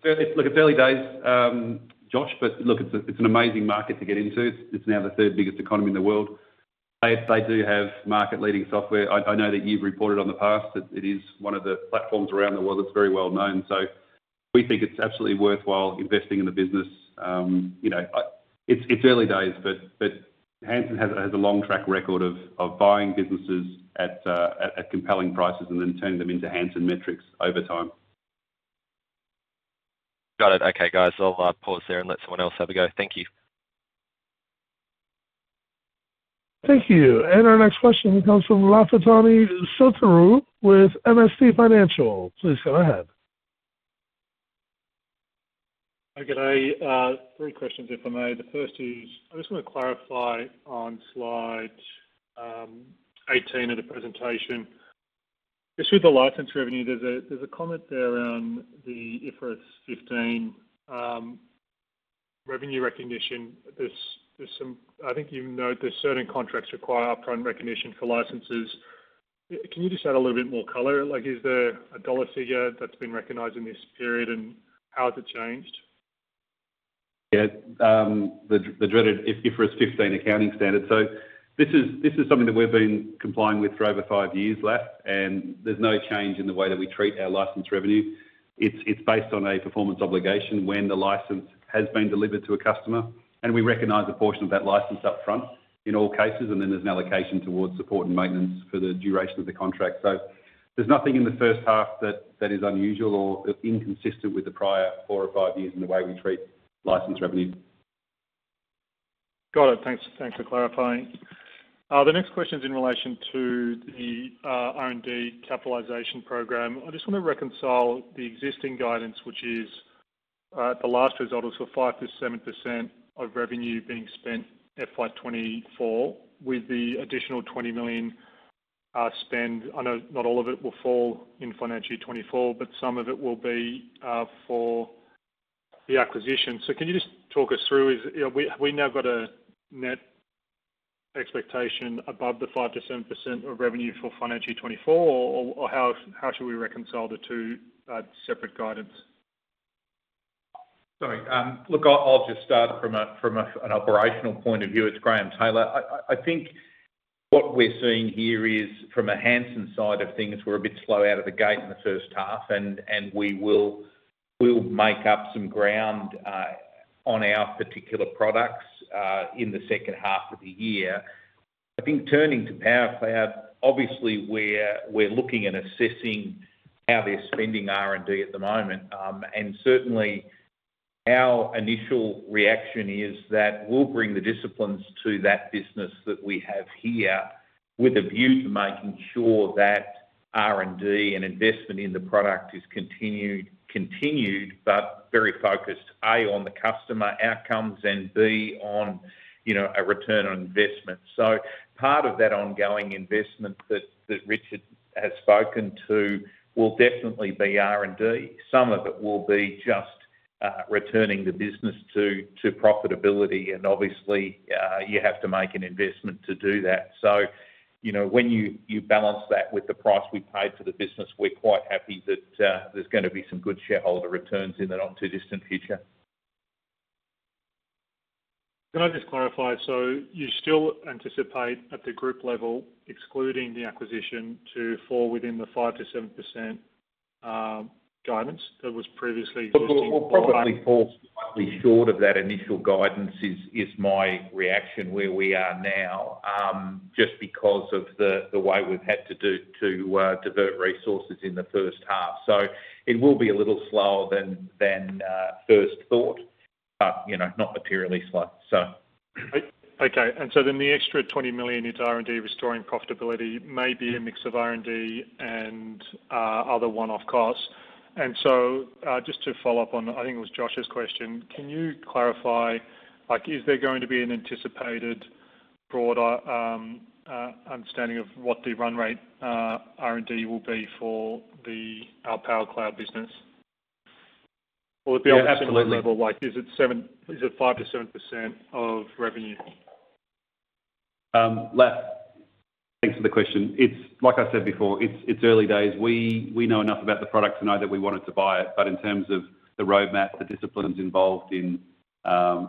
Speaker 3: Look, it's early days, Josh. But look, it's an amazing market to get into. It's now the third biggest economy in the world. They do have market-leading software. I know that you've reported in the past that it is one of the platforms around the world that's very well known. So we think it's absolutely worthwhile investing in the business. It's early days. But Hansen has a long track record of buying businesses at compelling prices and then turning them into Hansen metrics over time.
Speaker 6: Got it. Okay, guys. I'll pause there and let someone else have a go. Thank you.
Speaker 1: Thank you. And our next question comes from Lafitani Sotiriou with MST Financial. Please go ahead.
Speaker 7: Okay. Three questions, if I may. The first is I just want to clarify on slide 18 of the presentation. Just with the license revenue, there's a comment there around the IFRS 15 revenue recognition. I think you've noted that certain contracts require upfront recognition for licenses. Can you just add a little bit more color? Is there a dollar figure that's been recognised in this period? And how has it changed?
Speaker 3: Yeah. The dreaded IFRS 15 accounting standard. So this is something that we've been complying with for over five years left. And there's no change in the way that we treat our license revenue. It's based on a performance obligation when the license has been delivered to a customer. And we recognize a portion of that license upfront in all cases. And then there's an allocation towards support and maintenance for the duration of the contract. So there's nothing in the first half that is unusual or inconsistent with the prior four or five years in the way we treat license revenue.
Speaker 7: Got it. Thanks for clarifying. The next question's in relation to the R&D capitalization program. I just want to reconcile the existing guidance, which is the last result was for 5%-7% of revenue being spent FY 2024 with the additional 20 million spend. I know not all of it will fall in financial year 2024. But some of it will be for the acquisition. So can you just talk us through we now got a net expectation above the 5%-7% of revenue for financial year 2024? Or how should we reconcile the two separate guidance?
Speaker 4: Sorry. Look, I'll just start from an operational point of view. It's Graeme Taylor. I think what we're seeing here is from a Hansen side of things, we're a bit slow out of the gate in the first half. And we will make up some ground on our particular products in the second half of the year. I think turning to powercloud, obviously, we're looking and assessing how they're spending R&D at the moment. And certainly, our initial reaction is that we'll bring the disciplines to that business that we have here with a view to making sure that R&D and investment in the product is continued but very focused, A, on the customer outcomes and, B, on a return on investment. So part of that ongoing investment that Richard has spoken to will definitely be R&D. Some of it will be just returning the business to profitability. And obviously, you have to make an investment to do that. So when you balance that with the price we paid for the business, we're quite happy that there's going to be some good shareholder returns in the not-too-distant future.
Speaker 7: Can I just clarify? So you still anticipate at the group level, excluding the acquisition, to fall within the 5%-7% guidance that was previously listed in the product?
Speaker 3: We'll probably fall slightly short of that initial guidance, is my reaction where we are now just because of the way we've had to divert resources in the first half. So it will be a little slower than first thought but not materially slow, so.
Speaker 7: Okay. The extra 20 million into R&D restoring profitability may be a mix of R&D and other one-off costs. Just to follow up on I think it was Josh's question. Can you clarify? Is there going to be an anticipated broader understanding of what the run-rate R&D will be for our powercloud business? Will it be on a sample level? Is it 5%-7% of revenue?
Speaker 3: Thanks for the question. Like I said before, it's early days. We know enough about the product to know that we wanted to buy it. But in terms of the roadmap, the disciplines involved in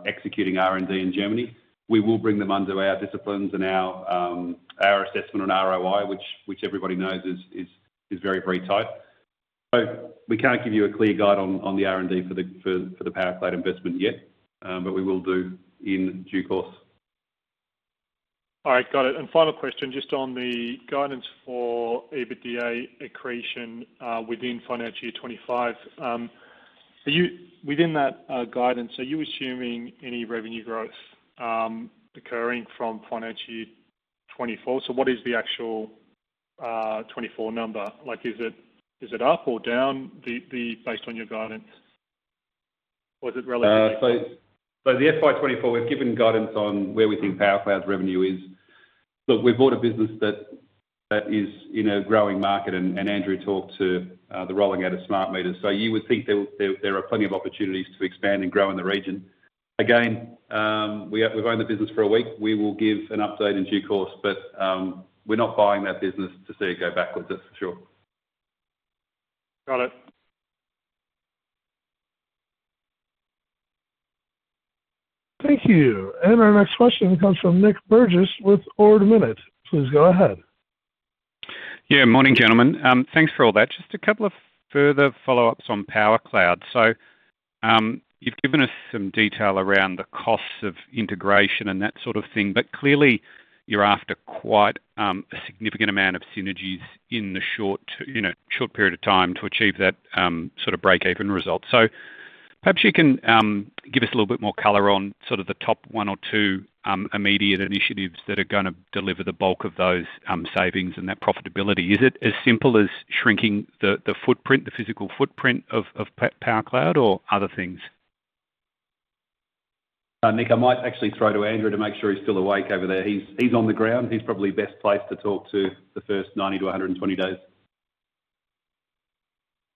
Speaker 3: executing R&D in Germany, we will bring them under our disciplines and our assessment on ROI, which everybody knows is very, very tight. So we can't give you a clear guide on the R&D for the powercloud investment yet. But we will do in due course.
Speaker 7: All right. Got it. Final question just on the guidance for EBITDA accretion within financial year 2025. Within that guidance, are you assuming any revenue growth occurring from financial year 2024? What is the actual 2024 number? Is it up or down based on your guidance? Is it relatively high?
Speaker 3: The FY 2024, we've given guidance on where we think powercloud's revenue is. Look, we've bought a business that is in a growing market. Andrew talked to the rolling out of smart meters. You would think there are plenty of opportunities to expand and grow in the region. Again, we've owned the business for a week. We will give an update in due course. We're not buying that business to see it go backwards, that's for sure.
Speaker 7: Got it.
Speaker 1: Thank you. And our next question comes from Nick Burgess with Ord Minnett. Please go ahead.
Speaker 8: Yeah. Morning, gentlemen. Thanks for all that. Just a couple of further follow-ups on powercloud. So you've given us some detail around the costs of integration and that sort of thing. But clearly, you're after quite a significant amount of synergies in the short period of time to achieve that sort of break-even result. So perhaps you can give us a little bit more color on sort of the top one or two immediate initiatives that are going to deliver the bulk of those savings and that profitability. Is it as simple as shrinking the physical footprint of powercloud or other things?
Speaker 3: Nick, I might actually throw to Andrew to make sure he's still awake over there. He's on the ground. He's probably best placed to talk to the first 90-120 days.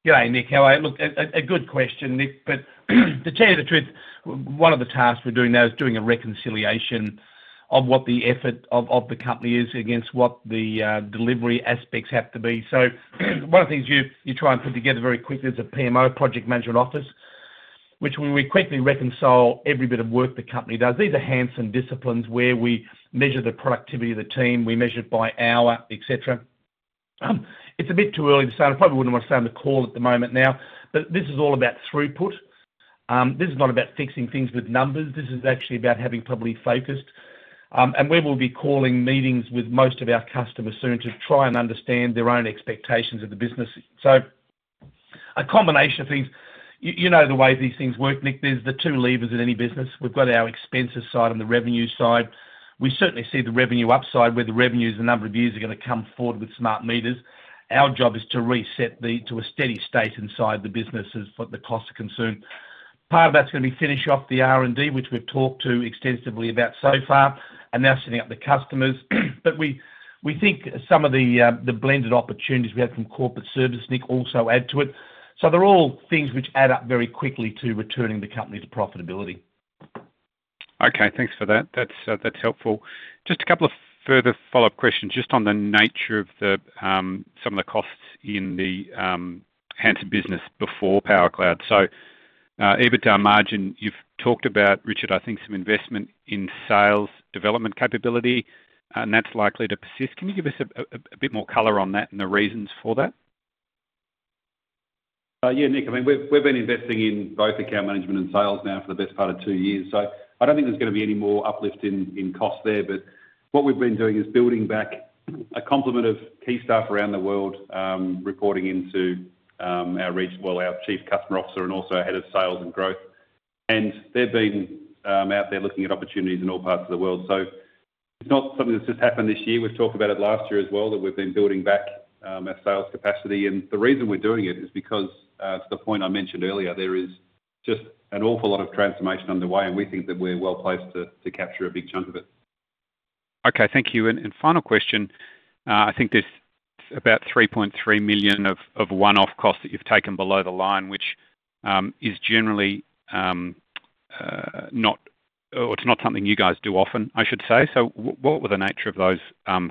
Speaker 2: Yeah, Nick. Look, a good question, Nick. But to tell you the truth, one of the tasks we're doing now is doing a reconciliation of what the effort of the company is against what the delivery aspects have to be. So one of the things you try and put together very quickly is a PMO, Project Management Office, which we quickly reconcile every bit of work the company does. These are Hansen disciplines where we measure the productivity of the team. We measure it by hour, etc. It's a bit too early to say. I probably wouldn't want to sound the call at the moment now. But this is all about throughput. This is not about fixing things with numbers. This is actually about having publicly focused. And we will be calling meetings with most of our customers soon to try and understand their own expectations of the business. So a combination of things. You know the way these things work, Nick. There's the two levers in any business. We've got our expenses side and the revenue side. We certainly see the revenue upside where the revenue is the number of years you're going to come forward with Smart Meters. Our job is to reset to a steady state inside the business as the costs are consumed. Part of that's going to be finish off the R&D, which we've talked to extensively about so far. And now setting up the customers. But we think some of the blended opportunities we had from corporate service, Nick, also add to it. So they're all things which add up very quickly to returning the company to profitability.
Speaker 8: Okay. Thanks for that. That's helpful. Just a couple of further follow-up questions just on the nature of some of the costs in the Hansen business before powercloud. So EBITDA margin, you've talked about, Richard, I think, some investment in sales development capability. And that's likely to persist. Can you give us a bit more color on that and the reasons for that?
Speaker 3: Yeah, Nick. I mean, we've been investing in both account management and sales now for the best part of two years. So I don't think there's going to be any more uplift in costs there. But what we've been doing is building back a complement of key staff around the world reporting into our well, our Chief Customer Officer and also our Head of Sales and Growth. And they've been out there looking at opportunities in all parts of the world. So it's not something that's just happened this year. We've talked about it last year as well that we've been building back our sales capacity. And the reason we're doing it is because, to the point I mentioned earlier, there is just an awful lot of transformation underway. And we think that we're well placed to capture a big chunk of it.
Speaker 8: Okay. Thank you. And final question. I think there's about 3.3 million of one-off costs that you've taken below the line, which is generally not or it's not something you guys do often, I should say. So what were the nature of those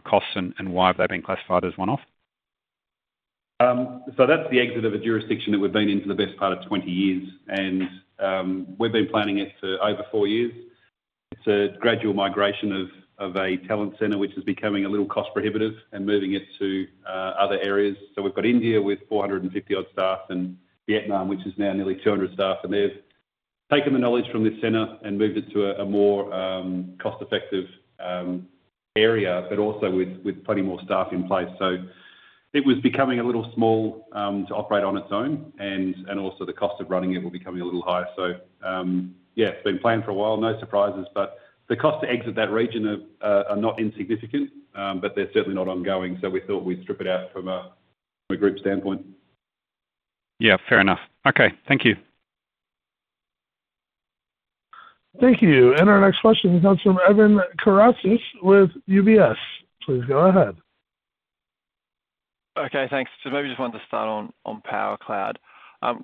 Speaker 8: costs? And why have they been classified as one-off?
Speaker 3: So that's the exit of a jurisdiction that we've been in for the best part of 20 years. We've been planning it for over 4 years. It's a gradual migration of a talent centre, which is becoming a little cost-prohibitive and moving it to other areas. We've got India with 450-odd staff and Vietnam, which is now nearly 200 staff. They've taken the knowledge from this centre and moved it to a more cost-effective area but also with plenty more staff in place. It was becoming a little small to operate on its own. Also, the cost of running it will be coming a little higher. Yeah, it's been planned for a while. No surprises. The costs to exit that region are not insignificant. They're certainly not ongoing. We thought we'd strip it out from a group standpoint.
Speaker 8: Yeah. Fair enough. Okay. Thank you.
Speaker 1: Thank you. Our next question comes from Evan Karatzas with UBS. Please go ahead.
Speaker 9: Okay. Thanks. So maybe just wanted to start on powercloud. Now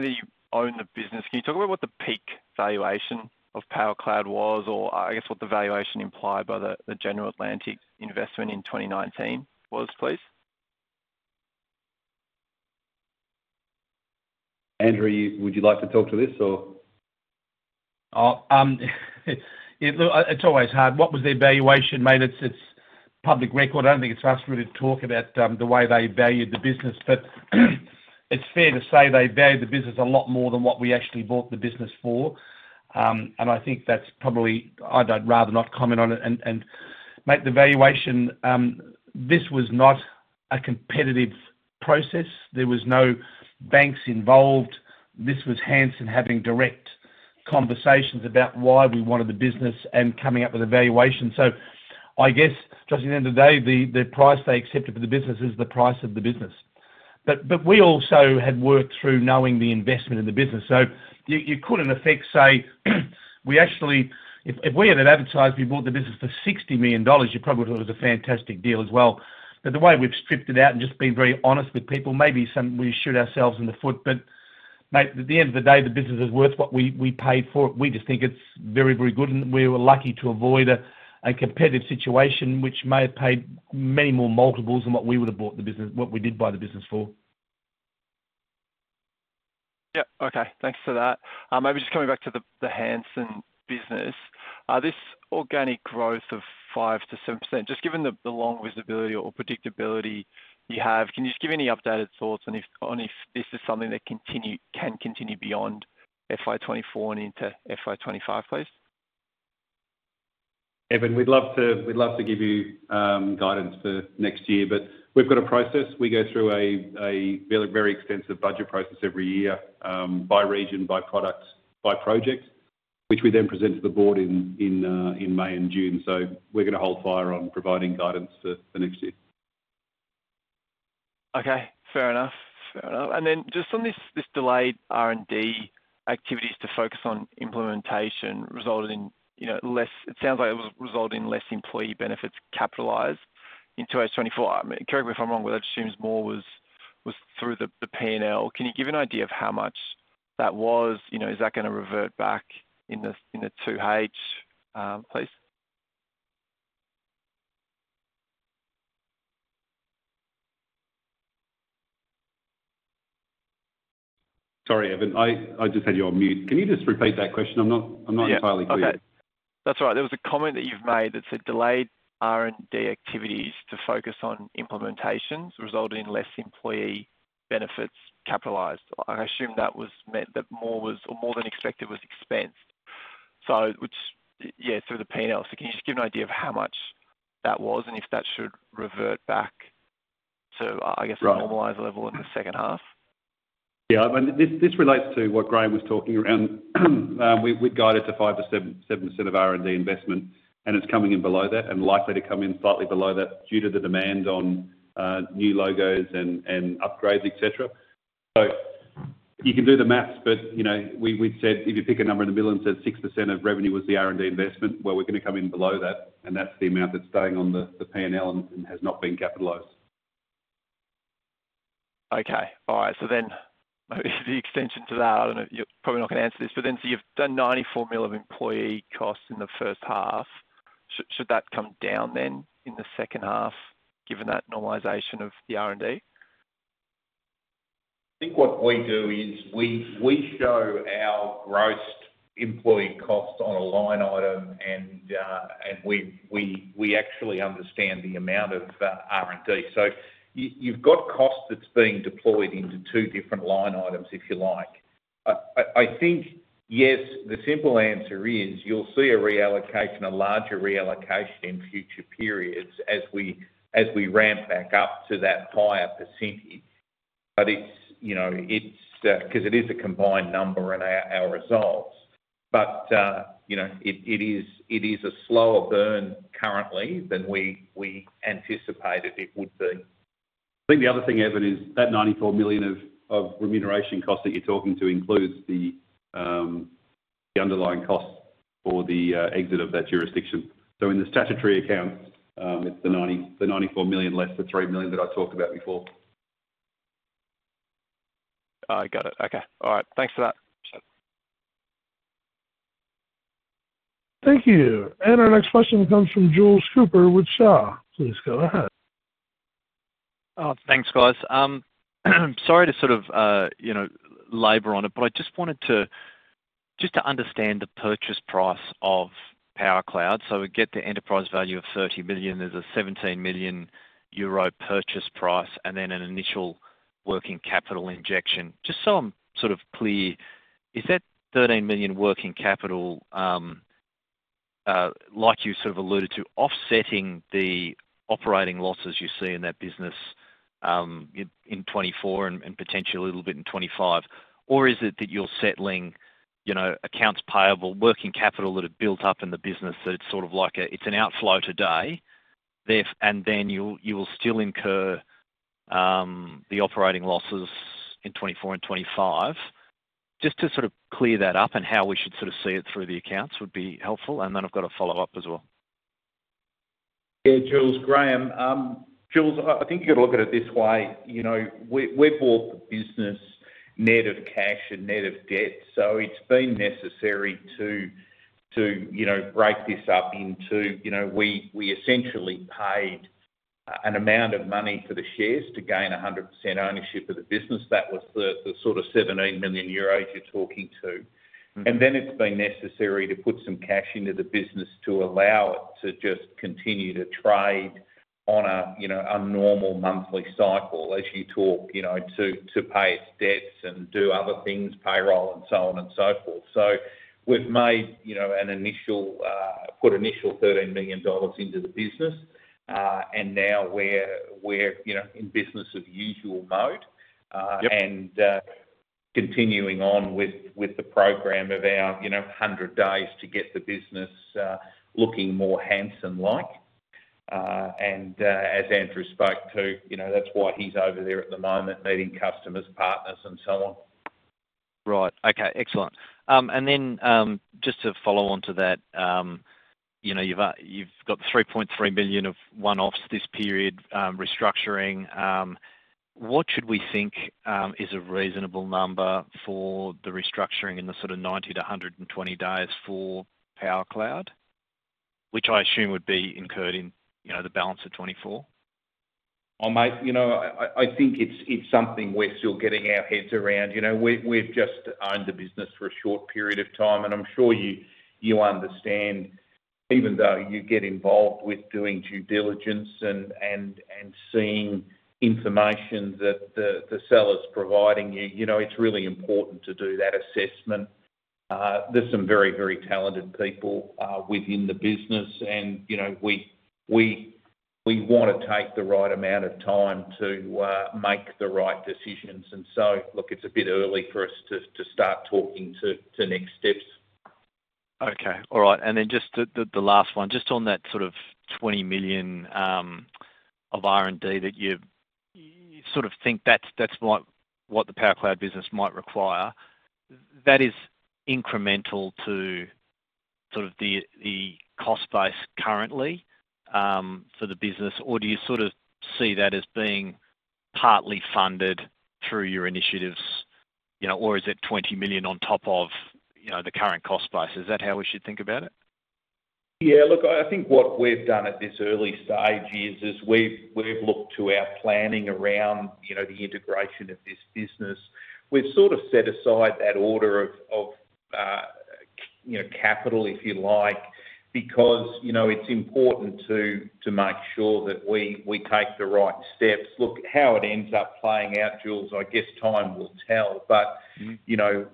Speaker 9: that you own the business, can you talk about what the peak valuation of powercloud was or I guess what the valuation implied by the General Atlantic investment in 2019 was, please?
Speaker 3: Andrew, would you like to talk to this or?
Speaker 2: Oh. Look, it's always hard. What was their valuation? I mean, it's public record. I don't think it's us really to talk about the way they valued the business. But it's fair to say they valued the business a lot more than what we actually bought the business for. And I think that's probably. I'd rather not comment on it and make the valuation. This was not a competitive process. There was no banks involved. This was Hansen having direct conversations about why we wanted the business and coming up with a valuation. So I guess, just at the end of the day, the price they accepted for the business is the price of the business. But we also had worked through knowing the investment in the business. So you could, in effect, say if we had advertised, "We bought the business for 60 million dollars," you probably thought it was a fantastic deal as well. But the way we've stripped it out and just been very honest with people, maybe we shoot ourselves in the foot. But at the end of the day, the business is worth what we paid for it. We just think it's very, very good. And we were lucky to avoid a competitive situation, which may have paid many more multiples than what we would have bought the business what we did buy the business for.
Speaker 9: Yeah. Okay. Thanks for that. Maybe just coming back to the Hansen business, this organic growth of 5%-7%, just given the long visibility or predictability you have, can you just give any updated thoughts on if this is something that can continue beyond FY 2024 and into FY 2025, please?
Speaker 3: Evan, we'd love to give you guidance for next year. But we've got a process. We go through a very extensive budget process every year by region, by product, by project, which we then present to the board in May and June. So we're going to hold fire on providing guidance for next year.
Speaker 9: Okay. Fair enough. Fair enough. And then just on this delayed R&D activities to focus on implementation resulted in less. It sounds like it resulted in less employee benefits capitalized in 2024. Correct me if I'm wrong, but that assumes more was through the P&L. Can you give an idea of how much that was? Is that going to revert back in the 2H, please?
Speaker 3: Sorry, Evan. I just had you on mute. Can you just repeat that question? I'm not entirely clear.
Speaker 9: Okay. That's all right. There was a comment that you've made that said, "Delayed R&D activities to focus on implementations resulted in less employee benefits capitalized." I assume that was meant that more than expected was expensed, yeah, through the P&L. So can you just give an idea of how much that was and if that should revert back to, I guess, a normalized level in the second half?
Speaker 3: Yeah. I mean, this relates to what Graeme was talking around. We've guided to 5%-7% of R&D investment. And it's coming in below that and likely to come in slightly below that due to the demand on new logos and upgrades, etc. So you can do the math. But we'd said if you pick a number in the middle and said 6% of revenue was the R&D investment, well, we're going to come in below that. And that's the amount that's staying on the P&L and has not been capitalized.
Speaker 9: Okay. All right. So then the extension to that I don't know. You're probably not going to answer this. But then so you've done 94 million of employee costs in the first half. Should that come down then in the second half given that normalization of the R&D?
Speaker 4: I think what we do is we show our grossed employee costs on a line item. And we actually understand the amount of R&D. So you've got cost that's being deployed into two different line items, if you like. I think, yes, the simple answer is you'll see a larger reallocation in future periods as we ramp back up to that higher percentage. But it's because it is a combined number and our results. But it is a slower burn currently than we anticipated it would be.
Speaker 3: I think the other thing, Evan, is that 94 million of remuneration costs that you're talking to includes the underlying costs for the exit of that jurisdiction. So in the statutory accounts, it's the 94 million less the 3 million that I talked about before.
Speaker 9: I got it. Okay. All right. Thanks for that.
Speaker 1: Thank you. Our next question comes from Jules Cooper with Shaw. Please go ahead.
Speaker 10: Thanks, guys. Sorry to sort of labor on it. But I just wanted to understand the purchase price of powercloud. So we get the enterprise value of 30 million. There's a 17 million euro purchase price and then an initial working capital injection. Just so I'm sort of clear, is that 13 million working capital, like you sort of alluded to, offsetting the operating losses you see in that business in 2024 and potentially a little bit in 2025? Or is it that you're settling accounts payable, working capital that are built up in the business that it's sort of like it's an outflow today. And then you will still incur the operating losses in 2024 and 2025? Just to sort of clear that up and how we should sort of see it through the accounts would be helpful. And then I've got a follow-up as well.
Speaker 4: Yeah, Jules, Graeme. Jules, I think you've got to look at it this way. We bought the business net of cash and net of debt. So it's been necessary to break this up into we essentially paid an amount of money for the shares to gain 100% ownership of the business. That was the sort of 17 million euros you're talking to. And then it's been necessary to put some cash into the business to allow it to just continue to trade on a normal monthly cycle as you talk to pay its debts and do other things, payroll, and so on and so forth. So we've put initial 13 million dollars into the business. And now we're in business of usual mode and continuing on with the program of our 100 days to get the business looking more Hansen-like. As Andrew spoke to, that's why he's over there at the moment meeting customers, partners, and so on.
Speaker 10: Right. Okay. Excellent. And then just to follow on to that, you've got 3.3 million of one-offs this period restructuring. What should we think is a reasonable number for the restructuring in the sort of 90-120 days for powercloud, which I assume would be incurred in the balance of 2024?
Speaker 4: I think it's something we're still getting our heads around. We've just owned the business for a short period of time. I'm sure you understand, even though you get involved with doing due diligence and seeing information that the seller's providing you, it's really important to do that assessment. There's some very, very talented people within the business. We want to take the right amount of time to make the right decisions. So, look, it's a bit early for us to start talking to next steps.
Speaker 10: Okay. All right. And then just the last one, just on that sort of 20 million of R&D that you sort of think that's what the powercloud business might require, that is incremental to sort of the cost base currently for the business? Or do you sort of see that as being partly funded through your initiatives? Or is it 20 million on top of the current cost base? Is that how we should think about it?
Speaker 4: Yeah. Look, I think what we've done at this early stage is we've looked to our planning around the integration of this business. We've sort of set aside that order of capital, if you like, because it's important to make sure that we take the right steps. Look, how it ends up playing out, Jules, I guess time will tell. But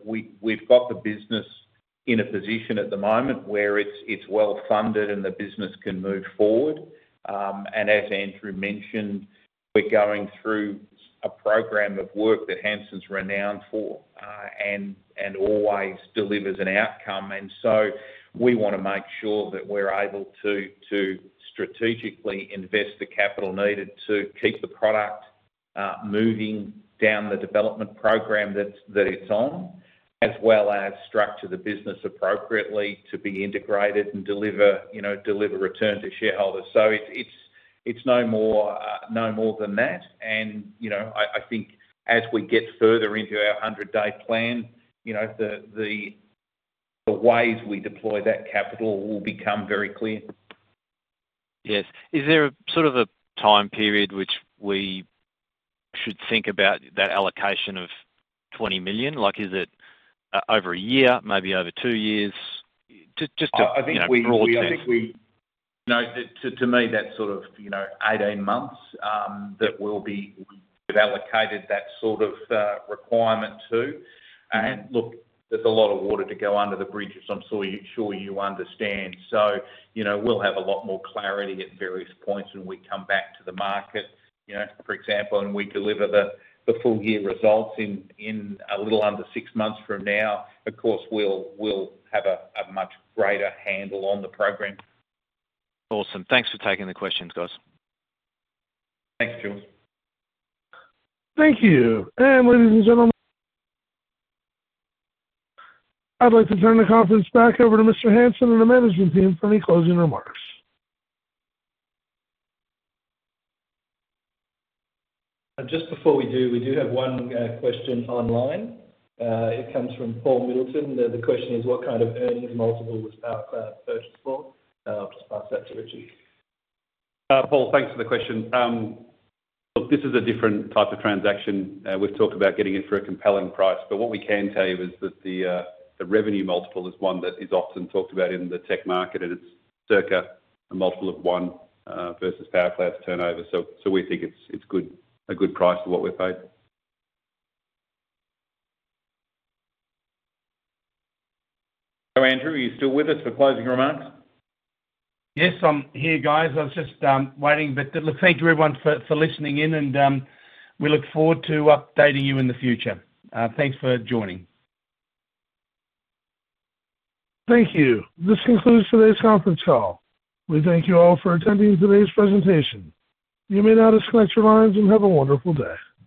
Speaker 4: we've got the business in a position at the moment where it's well-funded and the business can move forward. And as Andrew mentioned, we're going through a program of work that Hansen's renowned for and always delivers an outcome. And so we want to make sure that we're able to strategically invest the capital needed to keep the product moving down the development program that it's on as well as structure the business appropriately to be integrated and deliver return to shareholders. So it's no more than that. I think as we get further into our 100-day plan, the ways we deploy that capital will become very clear.
Speaker 10: Yes. Is there sort of a time period which we should think about that allocation of 20 million? Is it over a year, maybe over two years? Just a broad sense.
Speaker 4: I think, to me, that's sort of 18 months that we've allocated that sort of requirement to. And look, there's a lot of water to go under the bridge, as I'm sure you understand. So we'll have a lot more clarity at various points when we come back to the market. For example, when we deliver the full-year results in a little under 6 months from now, of course, we'll have a much greater handle on the programme.
Speaker 10: Awesome. Thanks for taking the questions, guys.
Speaker 4: Thanks, Jules.
Speaker 1: Thank you. Ladies and gentlemen, I'd like to turn the conference back over to Mr. Hansen and the management team for any closing remarks.
Speaker 4: Just before we do, we do have one question online. It comes from Paul Middleton. The question is, "What kind of earnings multiple was powercloud purchased for?" I'll just pass that to Richard.
Speaker 3: Paul, thanks for the question. Look, this is a different type of transaction. We've talked about getting it for a compelling price. But what we can tell you is that the revenue multiple is one that is often talked about in the tech market. And it's circa a multiple of 1 versus powercloud's turnover. So we think it's a good price for what we're paid. So, Andrew, are you still with us for closing remarks?
Speaker 2: Yes, I'm here, guys. I was just waiting a bit. But look, thank you, everyone, for listening in. And we look forward to updating you in the future. Thanks for joining.
Speaker 1: Thank you. This concludes today's conference call. We thank you all for attending today's presentation. You may now disconnect your lines and have a wonderful day.